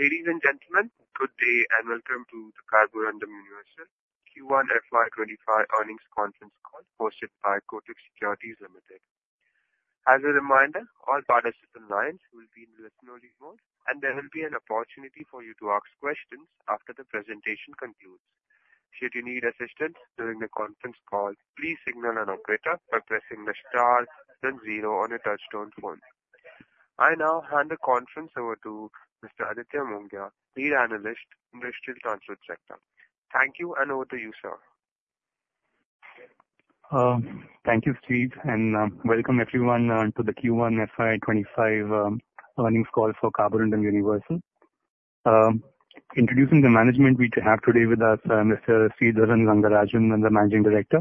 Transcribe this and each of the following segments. Ladies and gentlemen, good day, and welcome to the Carborundum Universal Q1 FY25 Earnings Conference Call hosted by Kotak Securities Limited. As a reminder, all participant lines will be in listen-only mode, and there will be an opportunity for you to ask questions after the presentation concludes. Should you need assistance during the conference call, please signal an operator by pressing the star then zero on your touchtone phone. I now hand the conference over to Mr. Aditya Mongia, Lead Analyst, Industrial Transit Sector. Thank you, and over to you, sir. Thank you, Steve, and welcome everyone to the Q1 FY 25 Earnings Call for Carborundum Universal. Introducing the management we have today with us, Mr. Sridharan Rangarajan, the Managing Director;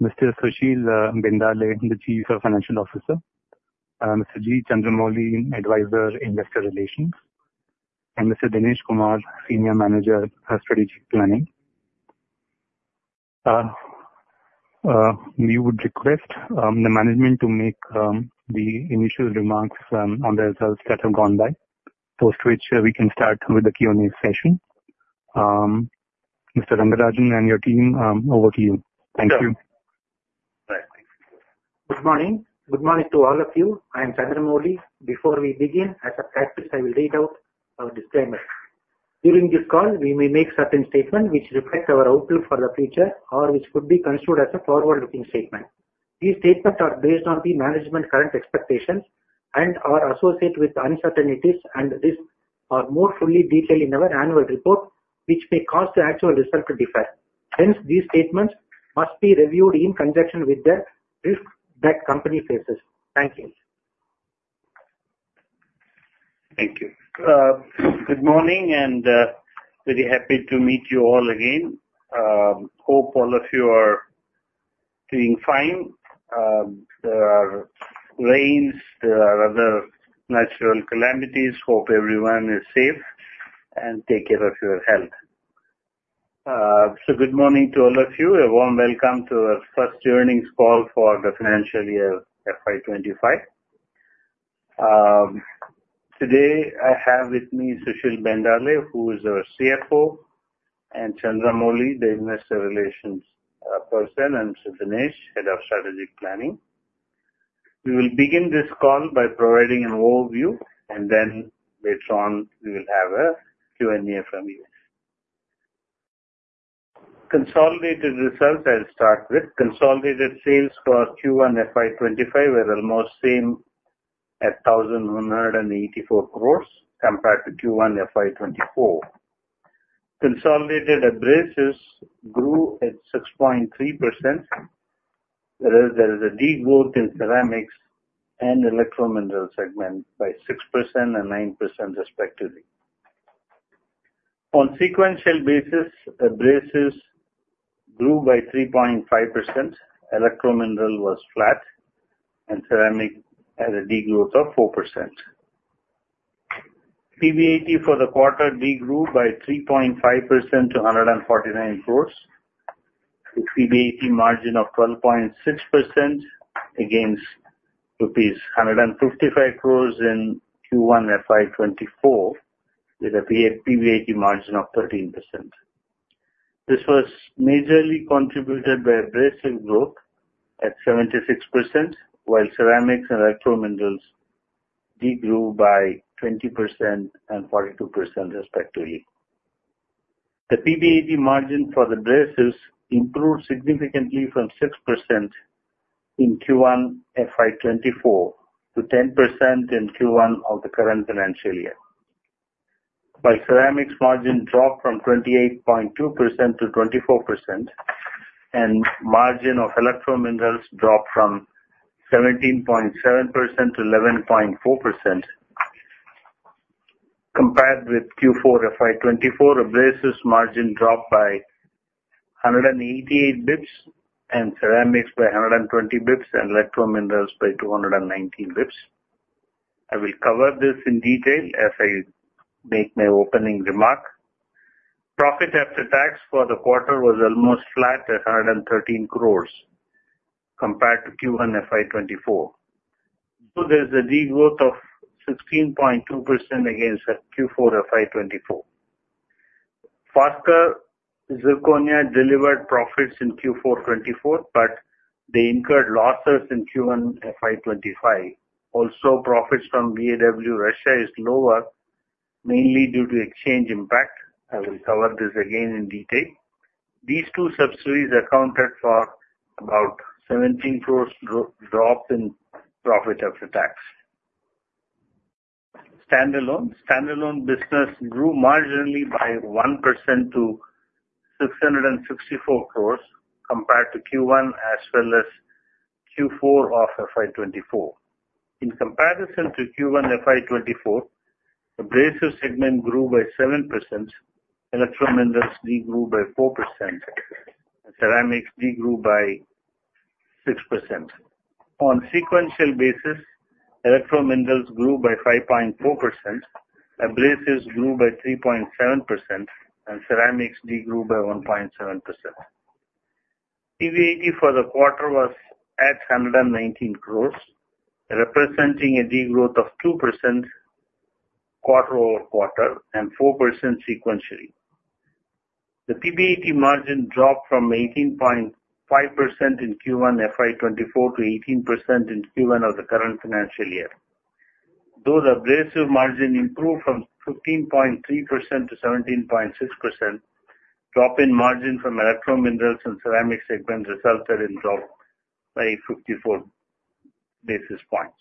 Mr. Sushil Bendale, the Chief Financial Officer; Mr. G. Chandramouli, Advisor, Investor Relations; and Mr. Dinesh Kumar, Senior Manager of Strategic Planning. We would request the management to make the initial remarks on the results that have gone by, post which we can start with the Q&A session. Mr. Rangarajan and your team, over to you. Thank you. Sure. Good morning. Good morning to all of you. I am Chandramouli. Before we begin, as a practice, I will read out our disclaimer. During this call, we may make certain statements which reflect our outlook for the future or which could be considered as a forward-looking statement. These statements are based on the management's current expectations and are associated with uncertainties, and these are more fully detailed in our annual report, which may cause the actual results to differ. Hence, these statements must be reviewed in conjunction with the risks that company faces. Thank you. Thank you. Good morning, and very happy to meet you all again. Hope all of you are doing fine. There are rains, there are other natural calamities. Hope everyone is safe, and take care of your health. Good morning to all of you. A warm welcome to our first earnings call for the financial year FY 2025. Today I have with me Sushil Bendale, who is our CFO, and G. Chandramouli, the Investor Relations person, and Mr. Dinesh, Head of Strategic Planning. We will begin this call by providing an overview, and then later on, we will have a Q&A from you. Consolidated results, I'll start with. Consolidated sales for Q1 FY 2025 were almost same at 1,184 crores compared to Q1 FY 2024. Consolidated abrasives grew at 6.3%, whereas there is a degrowth in ceramics and electrominerals segment by 6% and 9% respectively. On sequential basis, abrasives grew by 3.5%, electrominerals was flat, and ceramics had a degrowth of 4%. PBIT for the quarter degrew by 3.5% to 149 crores, with PBIT margin of 12.6% against INR 155 crores in Q1 FY 2024, with a PBIT margin of 13%. This was majorly contributed by abrasives growth at 76%, while ceramics and electrominerals degrew by 20% and 42% respectively. The PBIT margin for abrasives improved significantly from 6% in Q1 FY 2024 to 10% in Q1 of the current financial year. The ceramics margin dropped from 28.2% to 24%, and margin of Electrominerals dropped from 17.7% to 11.4%. Compared with Q4 FY 2024, abrasives margin dropped by 188 basis points, and ceramics by 120 basis points, and Electrominerals by 219 basis points. I will cover this in detail as I make my opening remark. Profit after tax for the quarter was almost flat at 113 crore compared to Q1 FY 2024. So there's a degrowth of 16.2% against Q4 FY 2024. Foskor Zirconia delivered profits in Q4 2024, but they incurred losses in Q1 FY 2025. Also, profits from VAW Russia is lower, mainly due to exchange impact. I will cover this again in detail. These two subsidiaries accounted for about 17 crore dropped in profit after tax. Standalone. Standalone business grew marginally by 1% to 664 crore compared to Q1, as well as Q4 of FY 2024. In comparison to Q1 FY 2024, Abrasives segment grew by 7%, Electro Minerals degrew by 4%, and Ceramics degrew by 6%. On sequential basis, Electro Minerals grew by 5.4%, Abrasives grew by 3.7%, and Ceramics degrew by 1.7%. PBIT for the quarter was at 119 crore, representing a degrowth of 2% quarter over quarter and 4% sequentially. The PBIT margin dropped from 18.5% in Q1 FY 2024 to 18% in Q1 of the current financial year. Though the Abrasives margin improved from 15.3% to 17.6%, drop in margin from Electro Minerals and Ceramics segments resulted in drop by 54 basis points.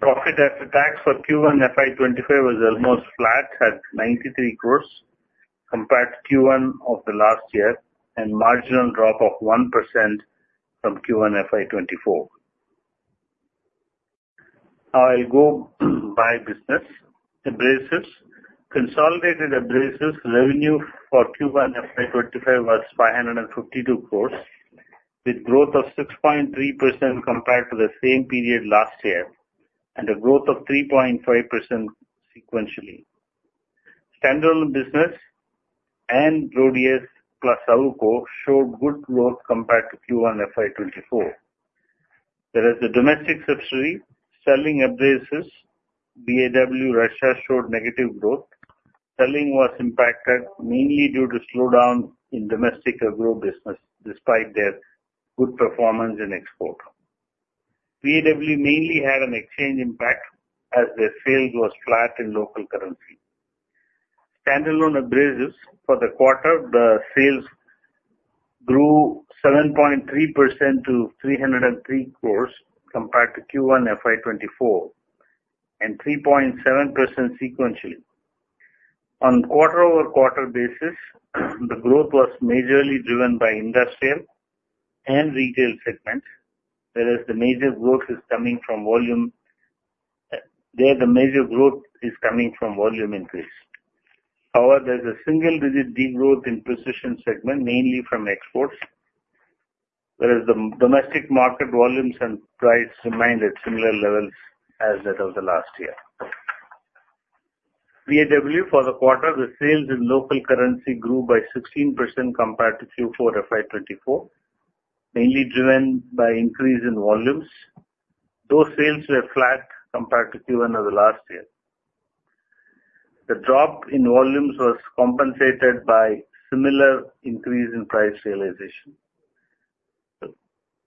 Profit after tax for Q1 FY 2025 was almost flat at 93 crores compared to Q1 of the last year, and marginal drop of 1% from Q1 FY 2024. I'll go by business. Abrasives. Consolidated Abrasives revenue for Q1 FY 2025 was 552 crores, with growth of 6.3% compared to the same period last year, and a growth of 3.5% sequentially. Standalone business and Rhodius plus AWUKO showed good growth compared to Q1 FY 2024. Whereas the domestic subsidiary, selling abrasives, VAW Russia, showed negative growth. Selling was impacted mainly due to slowdown in domestic agro business, despite their good performance in export. VAW mainly had an exchange impact as their sales was flat in local currency. Standalone abrasives for the quarter, the sales grew 7.3% to 303 crore compared to Q1 FY 2024, and 3.7% sequentially. On quarter-over-quarter basis, the growth was majorly driven by industrial and retail segments, whereas the major growth is coming from volume, there the major growth is coming from volume increase. However, there's a single digit degrowth in precision segment, mainly from exports, whereas the domestic market volumes and price remained at similar levels as that of the last year. VAW for the quarter, the sales in local currency grew by 16% compared to Q4 FY 2024, mainly driven by increase in volumes, though sales were flat compared to Q1 of the last year. The drop in volumes was compensated by similar increase in price realization.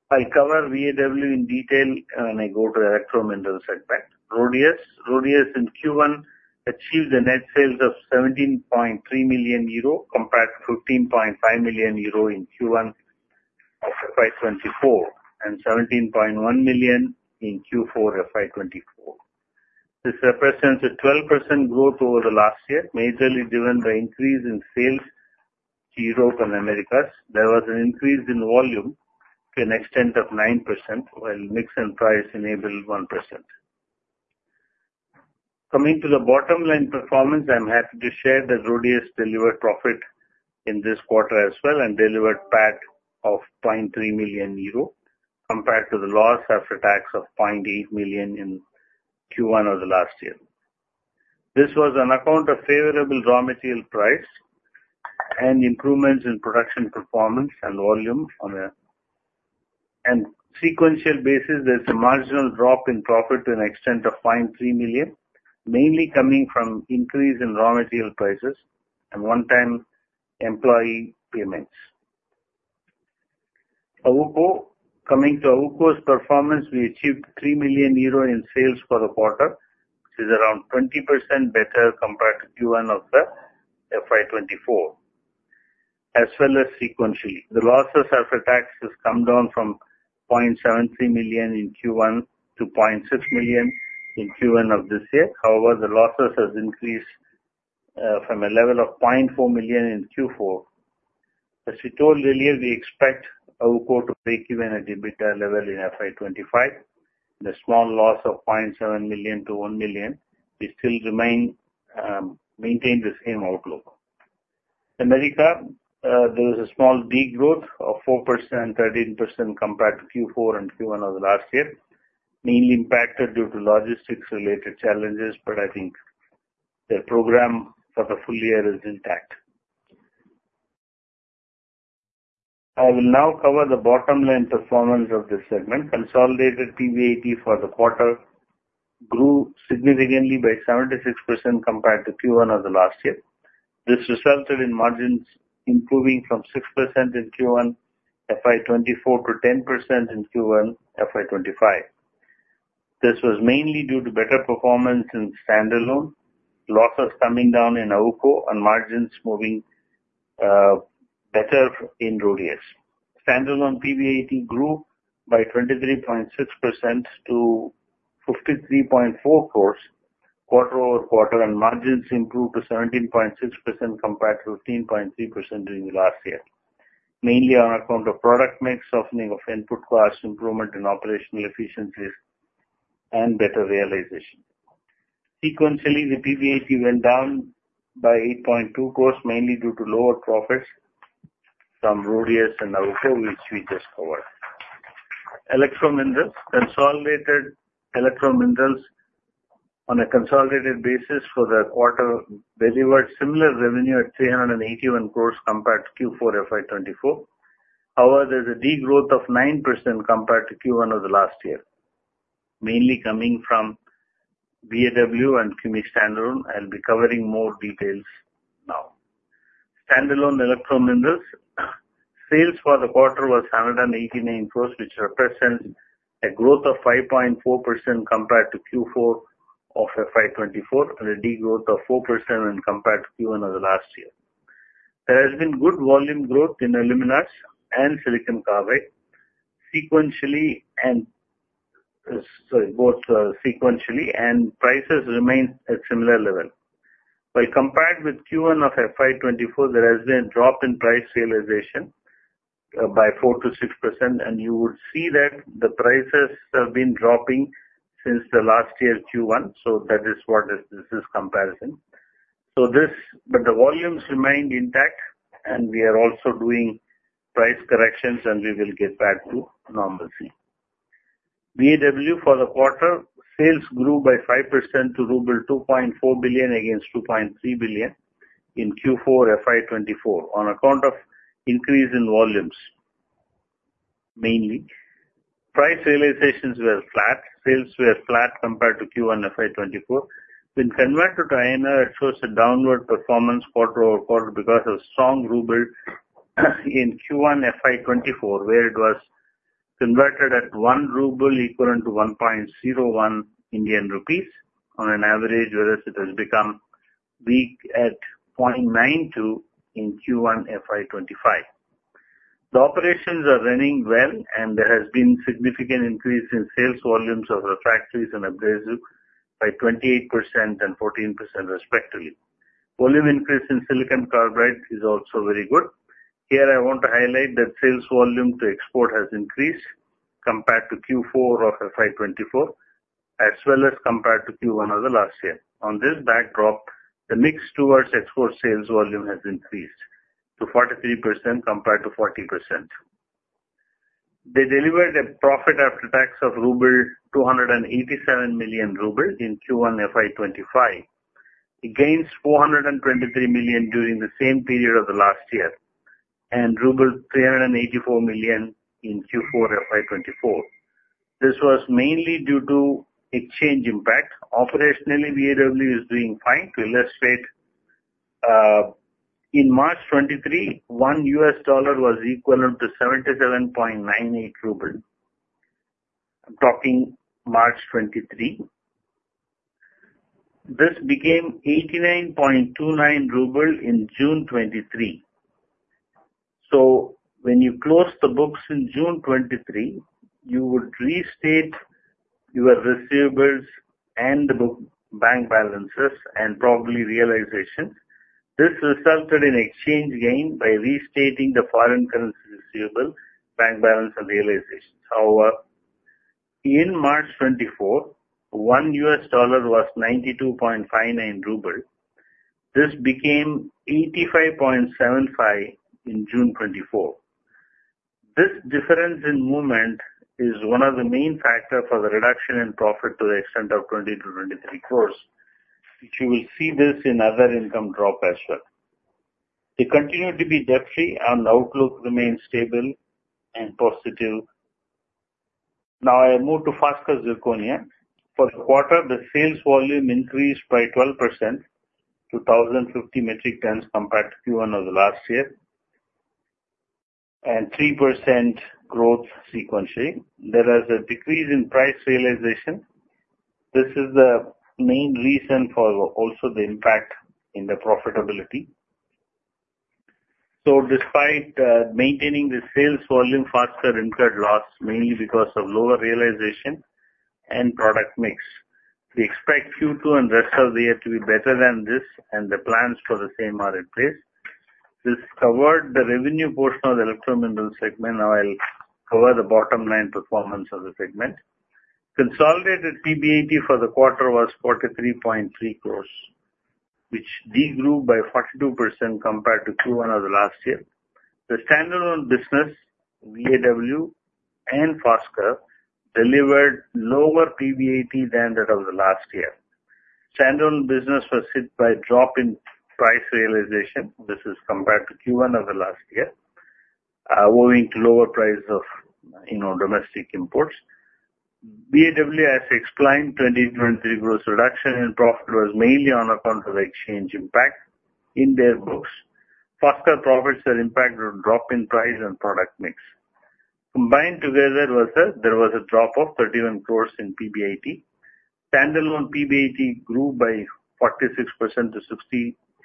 I'll cover VAW in detail when I go to electrominerals segment. Rhodius. Rhodius in Q1 achieved the net sales of 17.3 million euro, compared to 15.5 million euro in Q1 of FY 2024, and 17.1 million in Q4 FY 2024. This represents a 12% growth over the last year, majorly driven by increase in sales to Europe and Americas. There was an increase in volume to an extent of 9%, while mix and price enabled 1%. Coming to the bottom line performance, I'm happy to share that Rhodius delivered profit in this quarter as well, and delivered PAT of 0.3 million euro, compared to the loss after tax of 0.8 million in Q1 of the last year. This was on account of favorable raw material price and improvements in production, performance and volume on a... Sequential basis, there's a marginal drop in profit to an extent of 0.3 million, mainly coming from increase in raw material prices and one-time employee payments. AWUKO. Coming to AWUKO's performance, we achieved 3 million euro in sales for the quarter, which is around 20% better compared to Q1 of the FY 2024, as well as sequentially. The losses after tax has come down from 0.73 million in Q1 to 0.6 million in Q1 of this year. However, the losses has increased from a level of 0.4 million in Q4. As we told earlier, we expect AWUKO to break even at EBITDA level in FY 2025. The small loss of 0.7 million-1 million, we still remain, maintain the same outlook. Americas, there was a small degrowth of 4%, 13% compared to Q4 and Q1 of the last year, mainly impacted due to logistics-related challenges, but I think their program for the full year is intact. I will now cover the bottom line performance of this segment. Consolidated PBIT for the quarter grew significantly by 76% compared to Q1 of the last year. This resulted in margins improving from 6% in Q1 FY 2024 to 10% in Q1 FY 2025. This was mainly due to better performance in standalone, losses coming down in AWUKO and margins moving, better in Rhodius. Standalone PBIT grew by 23.6% to 53.4 crores quarter-over-quarter, and margins improved to 17.6% compared to 15.3% during the last year, mainly on account of product mix, softening of input costs, improvement in operational efficiencies and better realization. Sequentially, the PBIT went down by 8.2 crores, mainly due to lower profits from Rhodius and AWUKO, which we just covered. Electro Minerals. Consolidated Electro Minerals on a consolidated basis for the quarter delivered similar revenue at 381 crores compared to Q4 FY 2024. However, there's a degrowth of 9% compared to Q1 of the last year, mainly coming from VAW and CUMI standalone. I'll be covering more details now. Standalone Electro Minerals, sales for the quarter was 789 crore, which represents a growth of 5.4% compared to Q4 of FY 2024, and a degrowth of 4% when compared to Q1 of the last year. There has been good volume growth in aluminas and silicon carbide sequentially and, sorry, both sequentially, and prices remain at similar level. But compared with Q1 of FY 2024, there has been a drop in price realization by 4%-6%, and you would see that the prices have been dropping since the last year, Q1, so that is what this comparison is. So this, but the volumes remained intact, and we are also doing price corrections, and we will get back to normalcy. VAW for the quarter, sales grew by 5% to ruble 2.4 billion against 2.3 billion in Q4 FY 2024 on account of increase in volumes, mainly. Price realizations were flat. Sales were flat compared to Q1 FY 2024. When converted to INR, it shows a downward performance quarter-over-quarter because of strong ruble in Q1 FY 2024, where it was converted at one ruble equivalent to 1.01 Indian rupees on an average, whereas it has become weak at 0.92 in Q1 FY 2025. The operations are running well, and there has been significant increase in sales volumes of refractories and abrasives by 28% and 14% respectively. Volume increase in silicon carbide is also very good. Here, I want to highlight that sales volume to export has increased compared to Q4 of FY 2024, as well as compared to Q1 of the last year. On this backdrop, the mix towards export sales volume has increased to 43% compared to 40%. They delivered a profit after tax of INR 287 million in Q1 FY 2025. It gains 423 million during the same period of the last year and INR 384 million in Q4 FY 2024. This was mainly due to exchange impact. Operationally, VAW is doing fine. To illustrate, in March 2023, one US dollar was equivalent to INR 77.98. I'm talking March 2023. This became INR 89.29 in June 2023. So when you close the books in June 2023, you would restate your receivables and the book bank balances and probably realizations. This resulted in exchange gain by restating the foreign currency receivable, bank balance, and realizations. However, in March 2024, one US dollar was $1 = INR 92.59. This became 85.75 in June 2024. This difference in movement is one of the main factor for the reduction in profit to the extent of 20-23 crore, which you will see this in other income drop as well. They continue to be debt free and the outlook remains stable and positive. Now, I move to Foskor Zirconia. For the quarter, the sales volume increased by 12% to 1,050 metric tons compared to Q1 of the last year, and 3% growth sequentially. There is a decrease in price realization. This is the main reason for also the impact in the profitability. So despite maintaining the sales volume, Foscor incurred loss, mainly because of lower realization and product mix. We expect Q2 and rest of the year to be better than this, and the plans for the same are in place. This covered the revenue portion of the Electro Minerals segment. Now, I'll cover the bottom line performance of the segment. Consolidated PBIT for the quarter was 43.3 crore, which degrew by 42% compared to Q1 of the last year. The standalone business, VAW and Foscor, delivered lower PBIT than that of the last year. Standalone business was hit by a drop in price realization. This is compared to Q1 of the last year, owing to lower price of, you know, domestic imports. VAW, as explained, 2023 gross reduction in profit was mainly on account of the exchange impact in their books. Foscor profits were impacted with a drop in price and product mix. Combined together, there was a drop of 31 crore in PBIT. Standalone PBIT grew by 46% to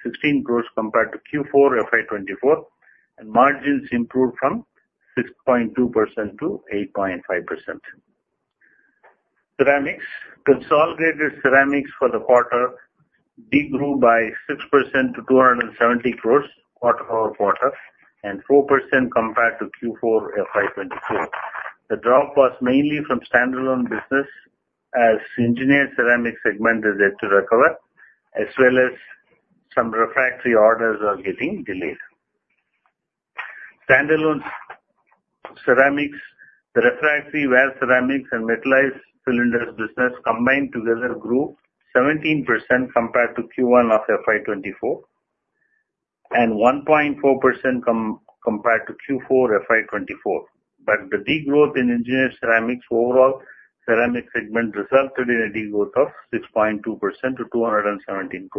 616 crore compared to Q4 FY 2024, and margins improved from 6.2% to 8.5%. Ceramics. Consolidated ceramics for the quarter degrew by 6% to 270 crore, quarter-over-quarter, and 4% compared to Q4 FY 2024. The drop was mainly from standalone business, as engineered ceramics segment is yet to recover, as well as some refractory orders are getting delayed. Standalone ceramics, the refractory wear ceramics and metallized cylinders business combined together grew 17% compared to Q1 of FY 2024, and 1.4% compared to Q4 FY 2024. The degrowth in engineered ceramics, overall ceramic segment resulted in a degrowth of 6.2% to 217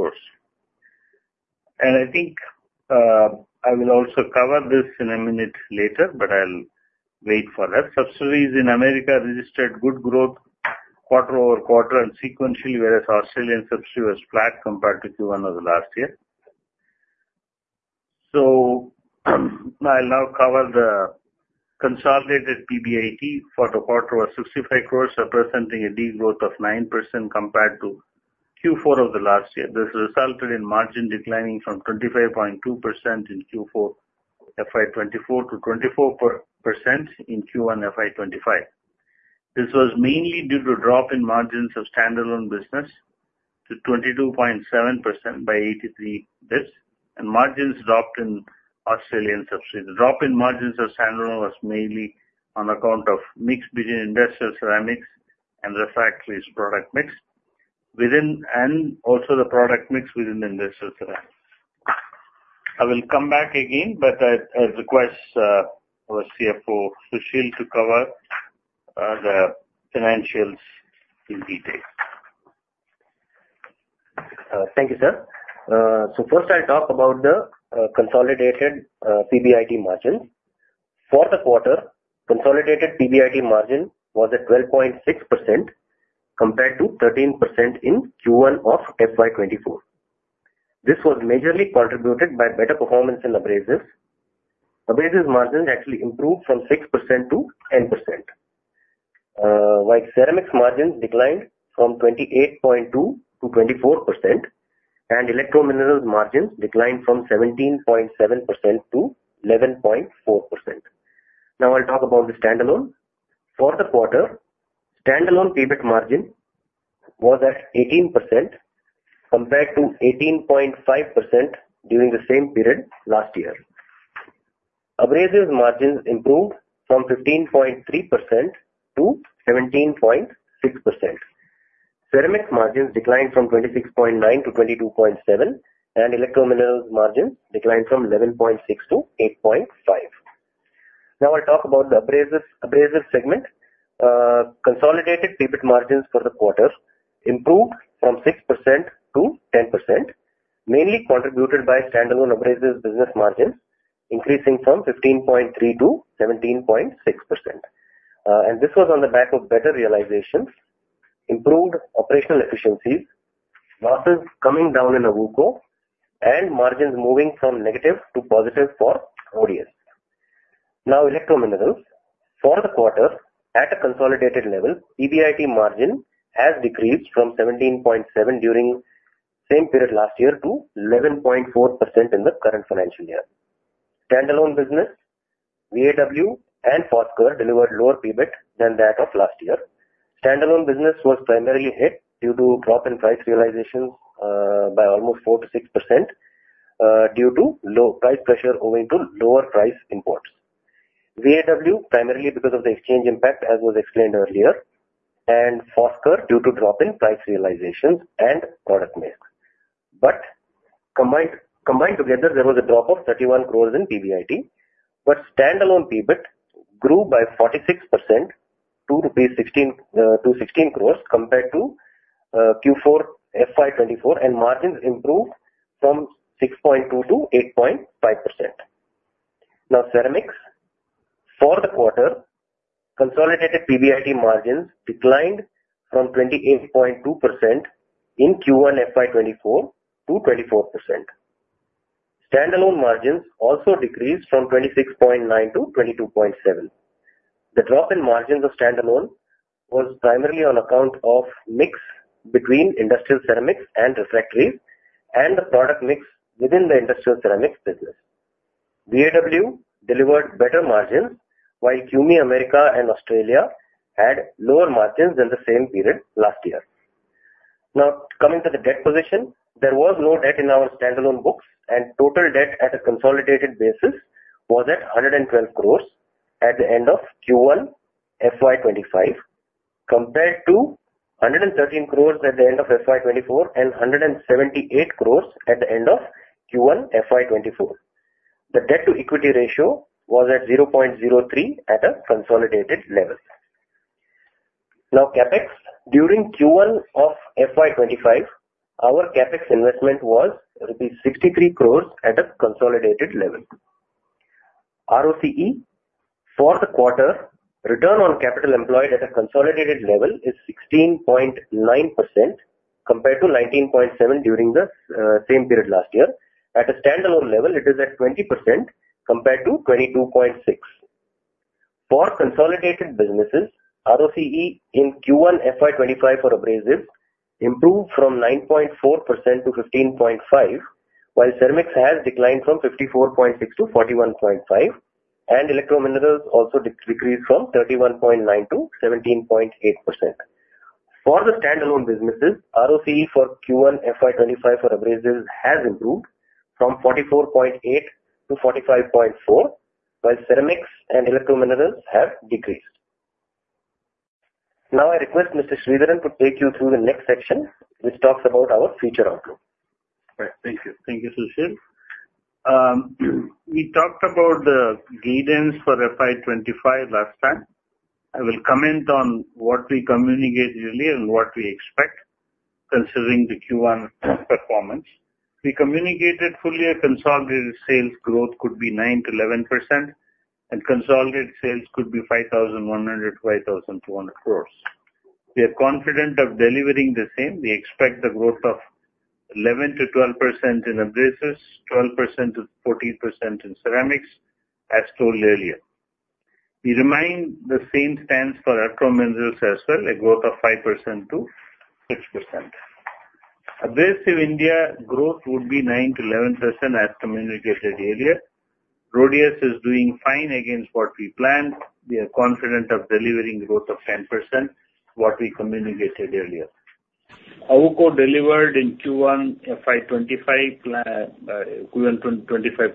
crore. I think, I will also cover this in a minute later, but I'll wait for that. Subsidiaries in America registered good growth quarter-over-quarter and sequentially, whereas Australian subsidiary was flat compared to Q1 of the last year. I'll now cover the consolidated PBIT for the quarter was 65 crore, representing a degrowth of 9% compared to Q4 of the last year. This resulted in margin declining from 25.2% in Q4 FY 2024 to 24% in Q1 FY 2025. This was mainly due to a drop in margins of standalone business to 22.7% by 83 basis points, and margins dropped in Australian subsidiaries. The drop in margins of standalone was mainly on account of mix between Industrial Ceramics and Refractories product mix, within and also the product mix within the Industrial Ceramics. I will come back again, but I, I request, our CFO, Sushil, to cover, the financials in detail. Thank you, sir. So first I'll talk about the consolidated PBIT margin. For the quarter, consolidated PBIT margin was at 12.6%, compared to 13% in Q1 of FY 2024. This was majorly contributed by better performance in Abrasives. Abrasives margins actually improved from 6% to 10%. While Ceramics margins declined from 28.2% to 24%, and Electro Minerals margins declined from 17.7% to 11.4%. Now, I'll talk about the standalone. For the quarter, standalone PBIT margin was at 18%, compared to 18.5% during the same period last year. Abrasives margins improved from 15.3% to 17.6%. Ceramics margins declined from 26.9% to 22.7%, and Electro Minerals margins declined from 11.6% to 8.5%. Now, I'll talk about the abrasives, abrasives segment. Consolidated PBIT margins for the quarter improved from 6% to 10%, mainly contributed by standalone abrasives business margins, increasing from 15.3% to 17.6%. And this was on the back of better realizations, improved operational efficiencies, losses coming down in Awuco, and margins moving from negative to positive for ODS. Now, Electro Minerals. For the quarter, at a consolidated level, PBIT margin has decreased from 17.7% during same period last year, to 11.4% in the current financial year. Standalone business, VAW and Foskor delivered lower PBIT than that of last year. Standalone business was primarily hit due to drop in price realizations, by almost 4%-6%, due to low price pressure owing to lower price imports. VAW, primarily because of the exchange impact, as was explained earlier, and Foskor, due to drop in price realizations and product mix. But combined together, there was a drop of 31 crore in PBIT, but standalone PBIT grew by 46% to INR 16 crore compared to Q4 FY 2024, and margins improved from 6.2% to 8.5%. Now, ceramics. For the quarter, consolidated PBIT margins declined from 28.2% in Q1 FY 2024 to 24%. Standalone margins also decreased from 26.9% to 22.7%. The drop in margins of standalone was primarily on account of mix between industrial ceramics and refractories, and the product mix within the industrial ceramics business. VAW delivered better margins, while QMI America and Australia had lower margins than the same period last year. Now, coming to the debt position, there was no debt in our standalone books, and total debt at a consolidated basis was at 112 crores at the end of Q1 FY 2025, compared to 113 crores at the end of FY 2024, and 178 crores at the end of Q1 FY 2024. The debt-to-equity ratio was at 0.03 at a consolidated level. Now, CapEx. During Q1 of FY 2025, our CapEx investment was rupees 63 crores at a consolidated level. ROCE, for the quarter, return on capital employed at a consolidated level is 16.9%, compared to 19.7% during the same period last year. At a standalone level, it is at 20% compared to 22.6. For consolidated businesses, ROCE in Q1 FY25 for abrasives improved from 9.4% to 15.5%, while ceramics has declined from 54.6% to 41.5%, and Electrominerals also decreased from 31.9% to 17.8%.... For the standalone businesses, ROCE for Q1 FY25 for abrasives has improved from 44.8% to 45.4%, while ceramics and Electrominerals have decreased. Now I request Mr. Sridharan to take you through the next section, which talks about our future outlook. Right. Thank you. Thank you, Sushil. We talked about the guidance for FY 2025 last time. I will comment on what we communicated earlier and what we expect, considering the Q1 performance. We communicated fully a consolidated sales growth could be 9%-11%, and consolidated sales could be 5,100-5,200 crores. We are confident of delivering the same. We expect the growth of 11%-12% in abrasives, 12%-14% in ceramics, as told earlier. We remind the same stands for electrominerals as well, a growth of 5%-6%. Abrasives India growth would be 9%-11%, as communicated earlier. Rhodius is doing fine against what we planned. We are confident of delivering growth of 10%, what we communicated earlier. AWUKO delivered in Q1 FY25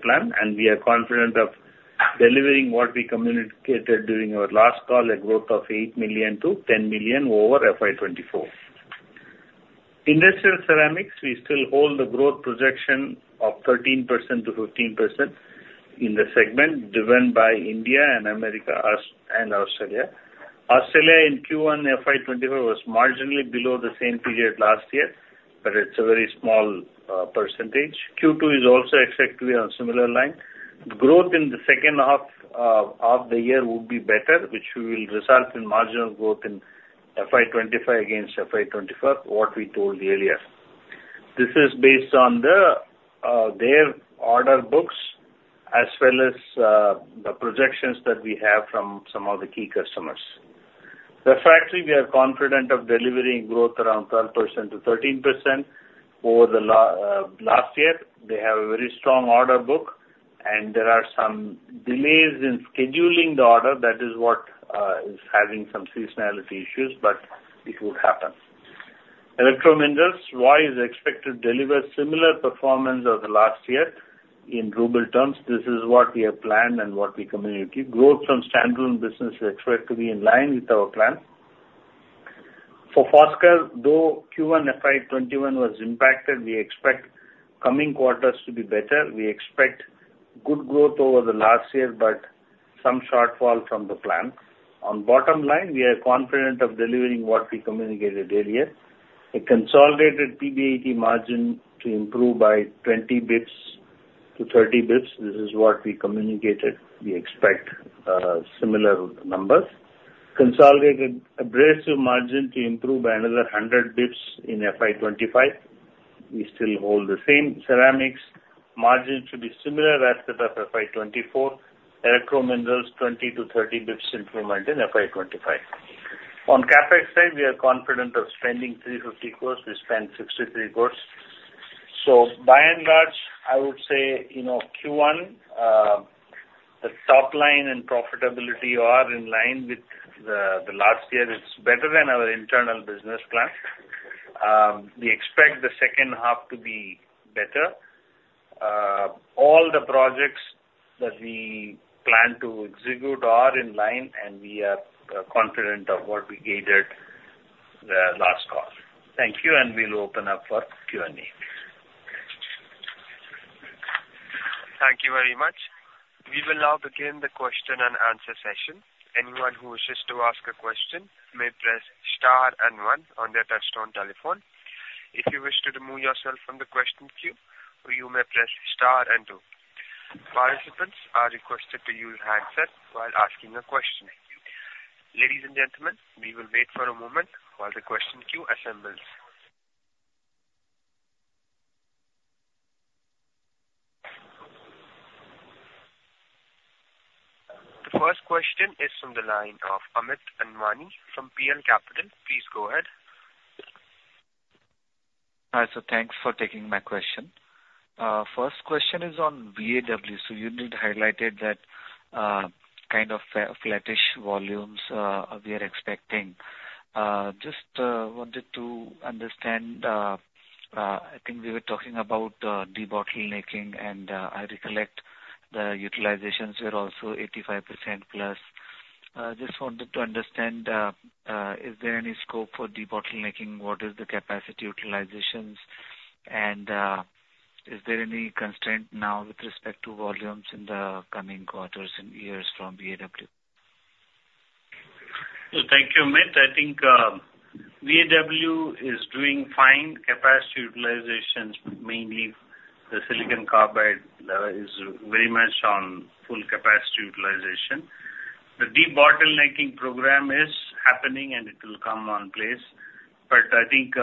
plan, and we are confident of delivering what we communicated during our last call, a growth of 8 million-10 million over FY24. Industrial ceramics, we still hold the growth projection of 13%-15% in the segment, driven by India and Americas and Australia. Australia in Q1 FY24 was marginally below the same period last year, but it's a very small percentage. Q2 is also expected to be on similar line. Growth in the second half of the year would be better, which will result in marginal growth in FY25 against FY24, what we told earlier. This is based on the their order books as well as the projections that we have from some of the key customers. The factory, we are confident of delivering growth around 12%-13% over the last year. They have a very strong order book, and there are some delays in scheduling the order. That is what is having some seasonality issues, but it would happen. Electro Minerals is expected to deliver similar performance over the last year in ruble terms. This is what we have planned and what we communicate. Growth from standalone business is expected to be in line with our plan. For Foskor, though Q1 FY 21 was impacted, we expect coming quarters to be better. We expect good growth over the last year, but some shortfall from the plan. On bottom line, we are confident of delivering what we communicated earlier. A consolidated PBIT margin to improve by 20 basis points to 30 basis points, this is what we communicated. We expect similar numbers. Consolidated abrasive margin to improve by another 100 basis points in FY 2025. We still hold the same. Ceramics margin should be similar as that of FY 2024. Electrominerals, 20-30 basis points improvement in FY 2025. On CapEx side, we are confident of spending 350 crores. We spent 63 crores. So by and large, I would say, you know, Q1, the top line and profitability are in line with the last year. It's better than our internal business plan. We expect the second half to be better. All the projects that we plan to execute are in line, and we are confident of what we guided the last call. Thank you, and we'll open up for Q&A. Thank you very much. We will now begin the question and answer session. Anyone who wishes to ask a question may press star and one on their touch-tone telephone. If you wish to remove yourself from the question queue, you may press star and two. Participants are requested to use handset while asking a question. Ladies and gentlemen, we will wait for a moment while the question queue assembles. The first question is from the line of Amit Anwani from PL Capital. Please go ahead. Hi, sir. Thanks for taking my question. First question is on VAW. So you need highlighted that, kind of flattish volumes, we are expecting. Just wanted to understand, I think we were talking about debottlenecking, and I recollect the utilizations were also 85%+. Just wanted to understand, is there any scope for debottlenecking? What is the capacity utilizations? And, is there any constraint now with respect to volumes in the coming quarters and years from VAW? Thank you, Amit. I think VAW is doing fine. Capacity utilizations, mainly the silicon carbide, is very much on full capacity utilization. The debottlenecking program is happening, and it will come on place. But I think,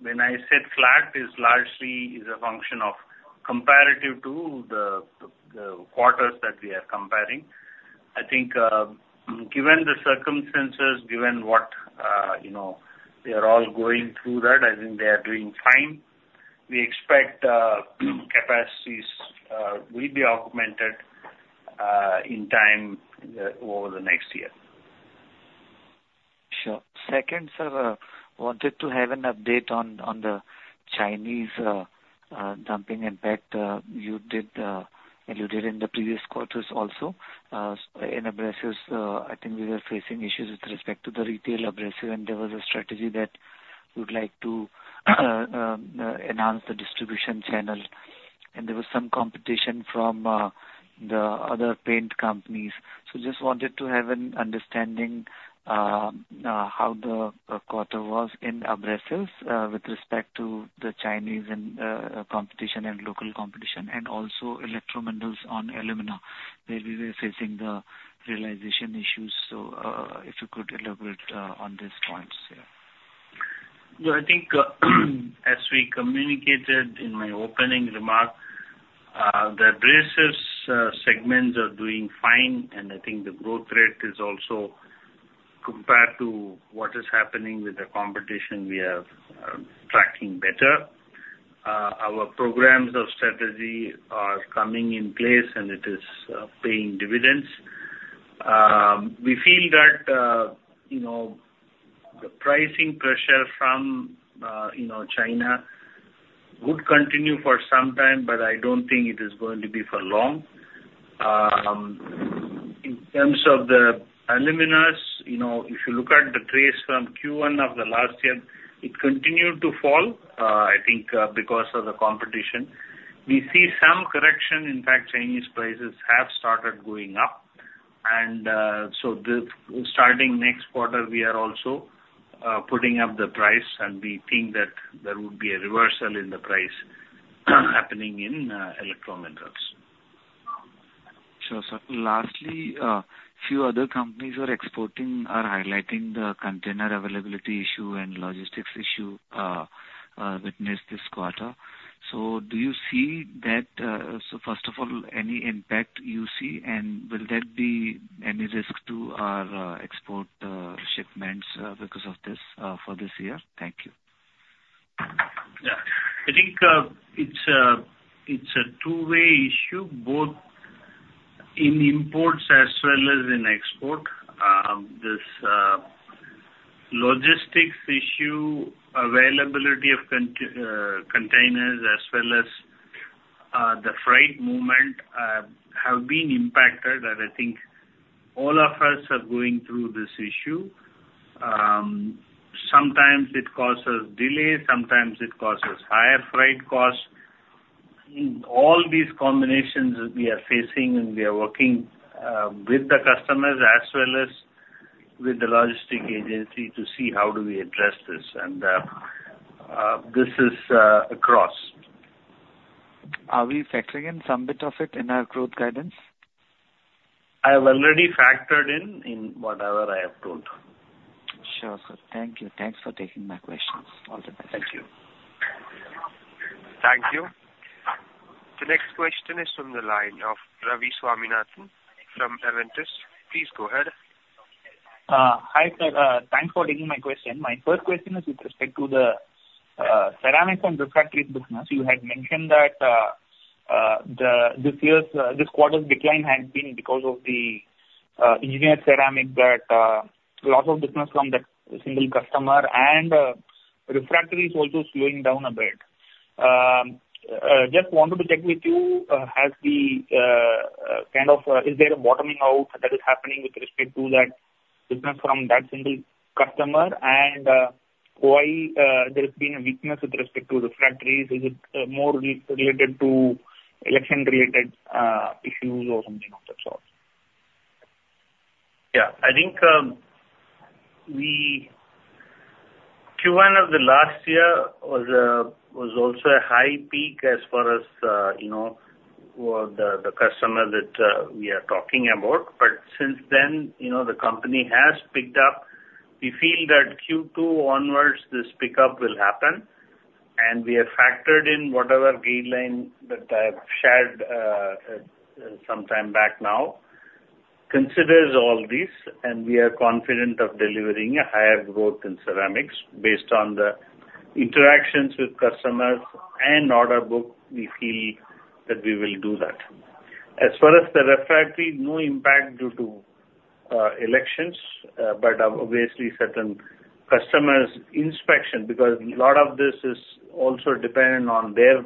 when I said flat, is largely is a function of comparative to the quarters that we are comparing. I think, given the circumstances, given what, you know, they are all going through that, I think they are doing fine. We expect capacities will be augmented in time, over the next year. Sure. Second, sir, wanted to have an update on the Chinese dumping impact. You alluded in the previous quarters also in abrasives. I think we were facing issues with respect to the retail abrasive, and there was a strategy that we'd like to enhance the distribution channel. And there was some competition from the other paint companies. So just wanted to have an understanding how the quarter was in abrasives with respect to the Chinese and competition and local competition, and also electrominerals on alumina, where we were facing the realization issues. So if you could elaborate on these points, yeah. Well, I think, as we communicated in my opening remark, the abrasives segments are doing fine, and I think the growth rate is also compared to what is happening with the competition we have, tracking better. Our programs of strategy are coming in place, and it is paying dividends. We feel that, you know, the pricing pressure from, you know, China would continue for some time, but I don't think it is going to be for long. In terms of the aluminas, you know, if you look at the trend from Q1 of the last year, it continued to fall, I think, because of the competition. We see some correction. In fact, Chinese prices have started going up. Starting next quarter, we are also putting up the price, and we think that there would be a reversal in the price happening in electrominerals. Sure, sir. Lastly, few other companies who are exporting are highlighting the container availability issue and logistics issue witnessed this quarter. So do you see that? So first of all, any impact you see, and will that be any risk to our export shipments because of this for this year? Thank you. Yeah. I think it's a two-way issue, both in imports as well as in export. This logistics issue, availability of containers, as well as the freight movement, have been impacted, and I think all of us are going through this issue. Sometimes it causes delay, sometimes it causes higher freight costs. In all these combinations we are facing, and we are working with the customers as well as with the logistic agency to see how do we address this, and this is across. Are we factoring in some bit of it in our growth guidance? I have already factored in whatever I have told. Sure, sir. Thank you. Thanks for taking my questions. All the best. Thank you. Thank you. The next question is from the line of Ravi Swaminathan from Spark Capital Advisors. Please go ahead. Hi, sir, thanks for taking my question. My first question is with respect to the Ceramics and Refractories business. You had mentioned that this quarter's decline had been because of the Engineered Ceramics but loss of business from that single customer and Refractories also slowing down a bit. Just wanted to check with you, is there a bottoming out that is happening with respect to that business from that single customer? And why there's been a weakness with respect to Refractories? Is it more related to election-related issues or something of that sort? Yeah. I think Q1 of the last year was also a high peak as far as you know the customer that we are talking about. But since then, you know, the company has picked up. We feel that Q2 onwards this pickup will happen, and we have factored in whatever guideline that I have shared sometime back now, considers all this, and we are confident of delivering a higher growth in ceramics. Based on the interactions with customers and order book, we feel that we will do that. As far as the refractory, no impact due to elections, but obviously certain customers' inspection, because a lot of this is also dependent on their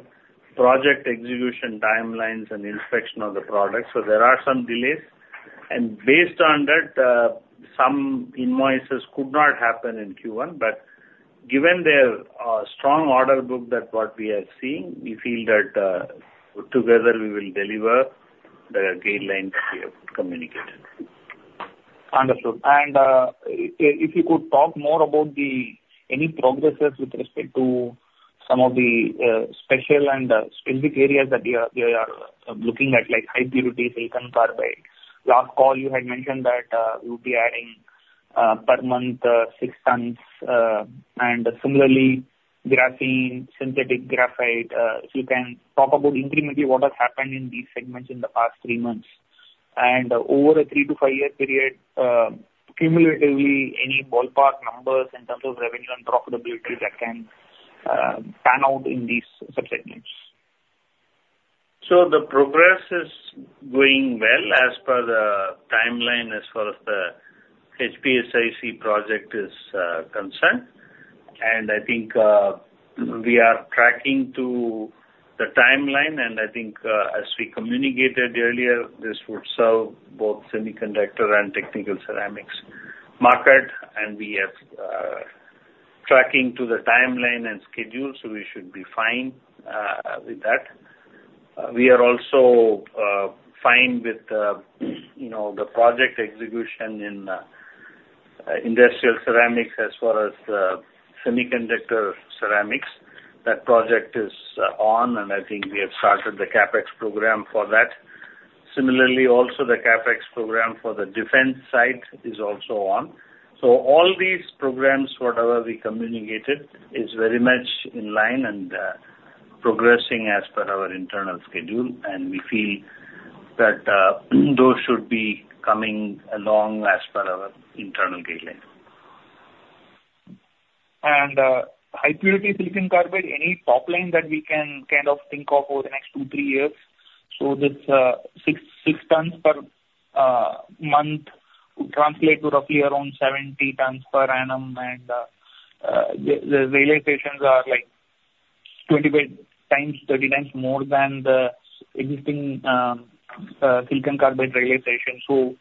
project execution, timelines and inspection of the product. So there are some delays, and based on that, some invoices could not happen in Q1. But given their strong order book, that what we are seeing, we feel that together we will deliver the guidelines we have communicated. Understood. And, if you could talk more about the any progresses with respect to some of the special and specific areas that we are, we are looking at, like high purity silicon carbide. Last call you had mentioned that, you'll be adding, per month, 6 tons. And similarly, graphene, synthetic graphite. If you can talk about incrementally what has happened in these segments in the past 3 months. And over a 3-5-year period, cumulatively, any ballpark numbers in terms of revenue and profitability that can pan out in these subsegments? So the progress is going well as per the timeline, as far as the HPSIC project is concerned. And I think we are tracking to the timeline, and I think as we communicated earlier, this would serve both semiconductor and technical ceramics market, and we are tracking to the timeline and schedule, so we should be fine with that. We are also fine with the, you know, the project execution in industrial ceramics as far as the semiconductor ceramics. That project is on, and I think we have started the CapEx program for that. Similarly, also the CapEx program for the defense side is also on. So all these programs, whatever we communicated, is very much in line and progressing as per our internal schedule. And we feel that those should be coming along as per our internal guidelines. High-purity silicon carbide, any top line that we can kind of think of over the next 2, 3 years? So this, 6, 6 tons per month would translate to roughly around 70 tons per annum, and the realizations are like 25-30 times more than the existing silicon carbide realization. So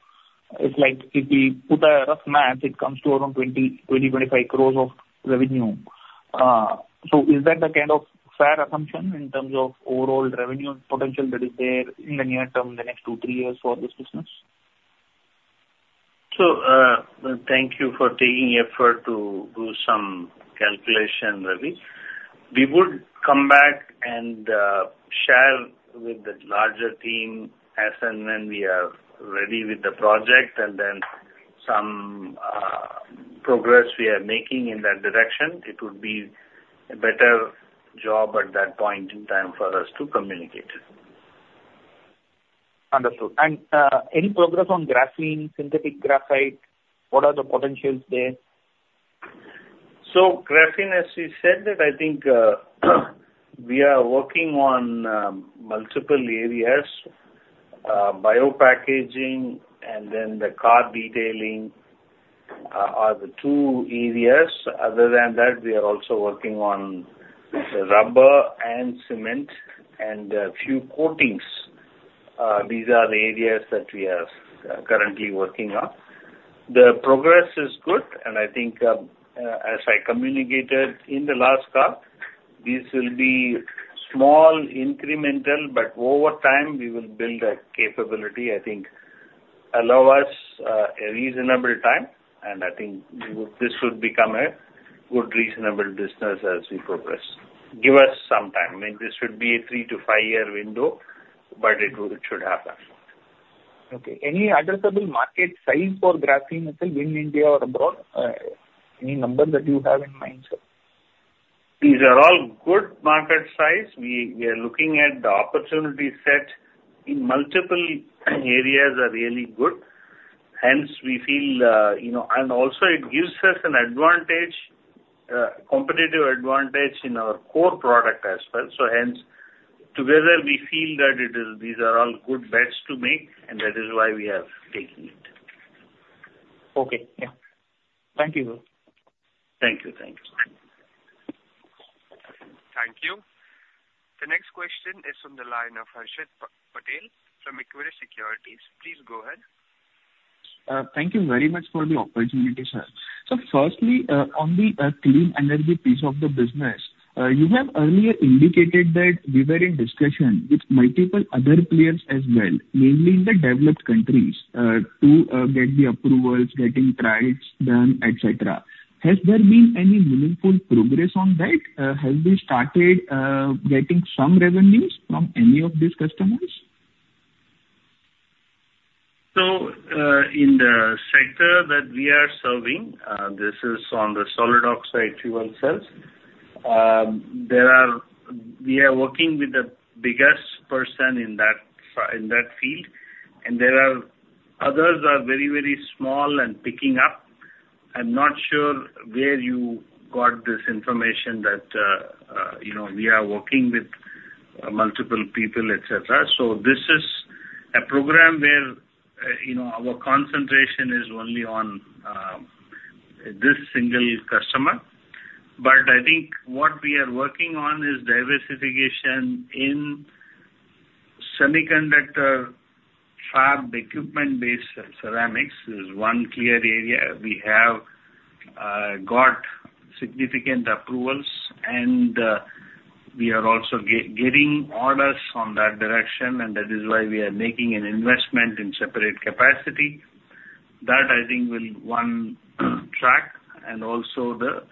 it's like, if we put a rough math, it comes to around 20, 20, 25 crores of revenue. So is that the kind of fair assumption in terms of overall revenue potential that is there in the near term, the next two, three years for this business? So, thank you for taking effort to do some calculation, Ravi. We would come back and share with the larger team as and when we are ready with the project, and then some progress we are making in that direction. It would be a better job at that point in time for us to communicate. Understood. And any progress on Graphene, Synthetic Graphite? What are the potentials there? Graphene, as we said that I think, we are working on, multiple areas. Bio packaging and then the car detailing, are the two areas. Other than that, we are also working on rubber and cement and a few coatings. These are the areas that we are currently working on. The progress is good, and I think, as I communicated in the last call, this will be small, incremental, but over time, we will build that capability. I think allow us, a reasonable time, and I think this would become a good, reasonable business as we progress. Give us some time. I mean, this would be a 3-5-year window, but it will, it should happen. Okay. Any addressable market size for graphene itself in India or abroad? Any number that you have in mind, sir? These are all good market size. We are looking at the opportunity set in multiple areas are really good. Hence, we feel, you know... And also it gives us an advantage, competitive advantage in our core product as well. So hence, together, we feel that it is, these are all good bets to make, and that is why we are taking it. Okay. Yeah. Thank you. Thank you. Thank you. Thank you. The next question is from the line of Harshit Patel from Equirus Securities. Please go ahead. Thank you very much for the opportunity, sir. So firstly, on the clean energy piece of the business, you have earlier indicated that we were in discussion with multiple other players as well, mainly in the developed countries, to get the approvals, getting trials done, et cetera. Has there been any meaningful progress on that? Have we started getting some revenues from any of these customers? So, in the sector that we are serving, this is on the solid oxide fuel cells. We are working with the biggest person in that field, and there are others are very, very small and picking up. I'm not sure where you got this information that, you know, we are working with multiple people, et cetera. So this is a program where, you know, our concentration is only on, this single customer. But I think what we are working on is diversification in semiconductor fab equipment-based ceramics. This is one clear area. We have got significant approvals, and we are also getting orders on that direction, and that is why we are making an investment in separate capacity. That, I think, will one track, and also the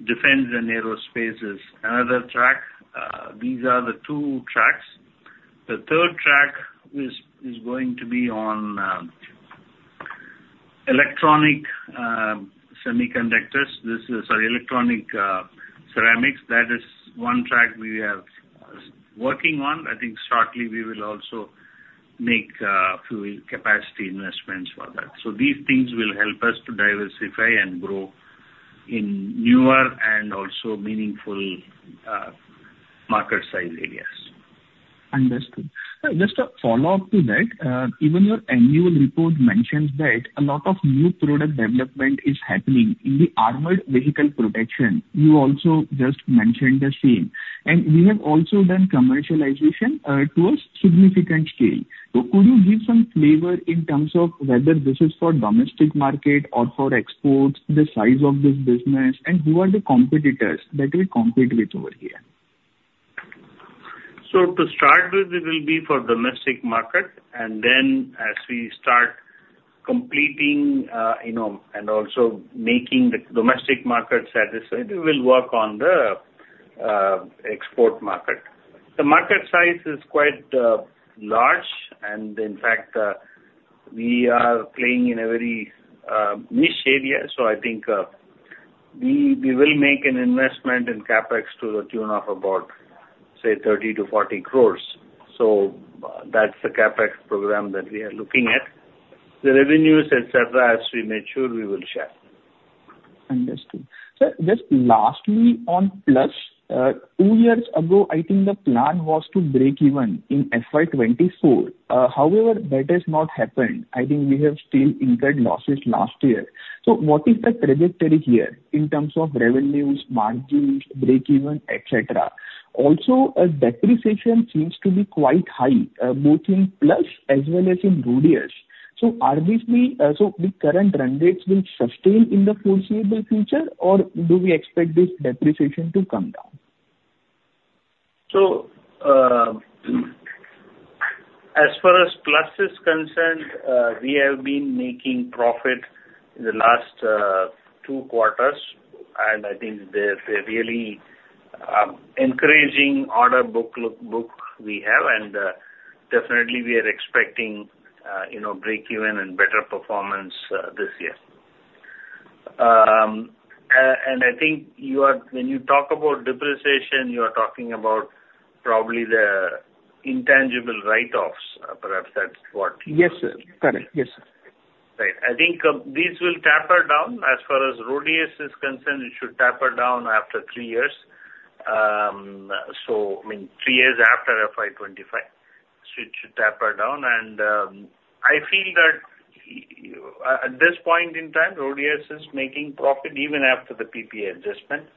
defense and aerospace is another track. These are the two tracks. The third track is going to be on electronic semiconductors. This is, sorry, electronic ceramics. That is one track we have working on. I think shortly we will also make few capacity investments for that. So these things will help us to diversify and grow in newer and also meaningful market size areas. Understood. Sir, just a follow-up to that, even your annual report mentions that a lot of new product development is happening in the armored vehicle protection. You also just mentioned the same, and you have also done commercialization to a significant scale. So could you give some flavor in terms of whether this is for domestic market or for exports, the size of this business, and who are the competitors that we compete with over here? So to start with, it will be for domestic market, and then as we start completing, you know, and also making the domestic market satisfied, we will work on the export market. The market size is quite large, and in fact, we are playing in a very niche area, so I think, we, we will make an investment in CapEx to the tune of about, say, 30-40 crores. So that's the CapEx program that we are looking at. The revenues, et cetera, as we mature, we will share. Understood. Sir, just lastly, on PLUSS, two years ago, I think the plan was to break even in FY 2024. However, that has not happened. I think we have still incurred losses last year. So what is the trajectory here in terms of revenues, margins, break even, et cetera? Also, depreciation seems to be quite high, both in PLUSS as well as in Rhodius. So the current run rates will sustain in the foreseeable future, or do we expect this depreciation to come down? So, as far as PLUSS is concerned, we have been making profit in the last two quarters, and I think they're a really encouraging order book we have, and definitely we are expecting, you know, break even and better performance this year. And I think you are, when you talk about depreciation, you are talking about probably the intangible write-offs. Perhaps that's what- Yes, sir. Correct. Yes, sir. Right. I think, this will taper down. As far as Rhodius is concerned, it should taper down after three years. So, I mean, three years after FY 2025, so it should taper down, and, I feel that at this point in time, Rhodius is making profit even after the PPA adjustment,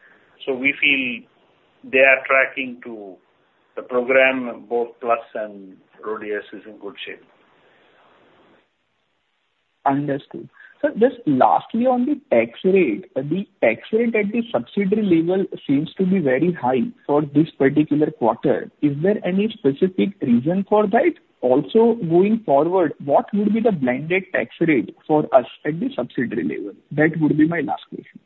so we feel they are tracking to the program. Both PLUSS and Rhodius is in good shape. Understood. Sir, just lastly, on the tax rate. The tax rate at the subsidiary level seems to be very high for this particular quarter. Is there any specific reason for that? Also, going forward, what would be the blended tax rate for us at the subsidiary level? That would be my last question.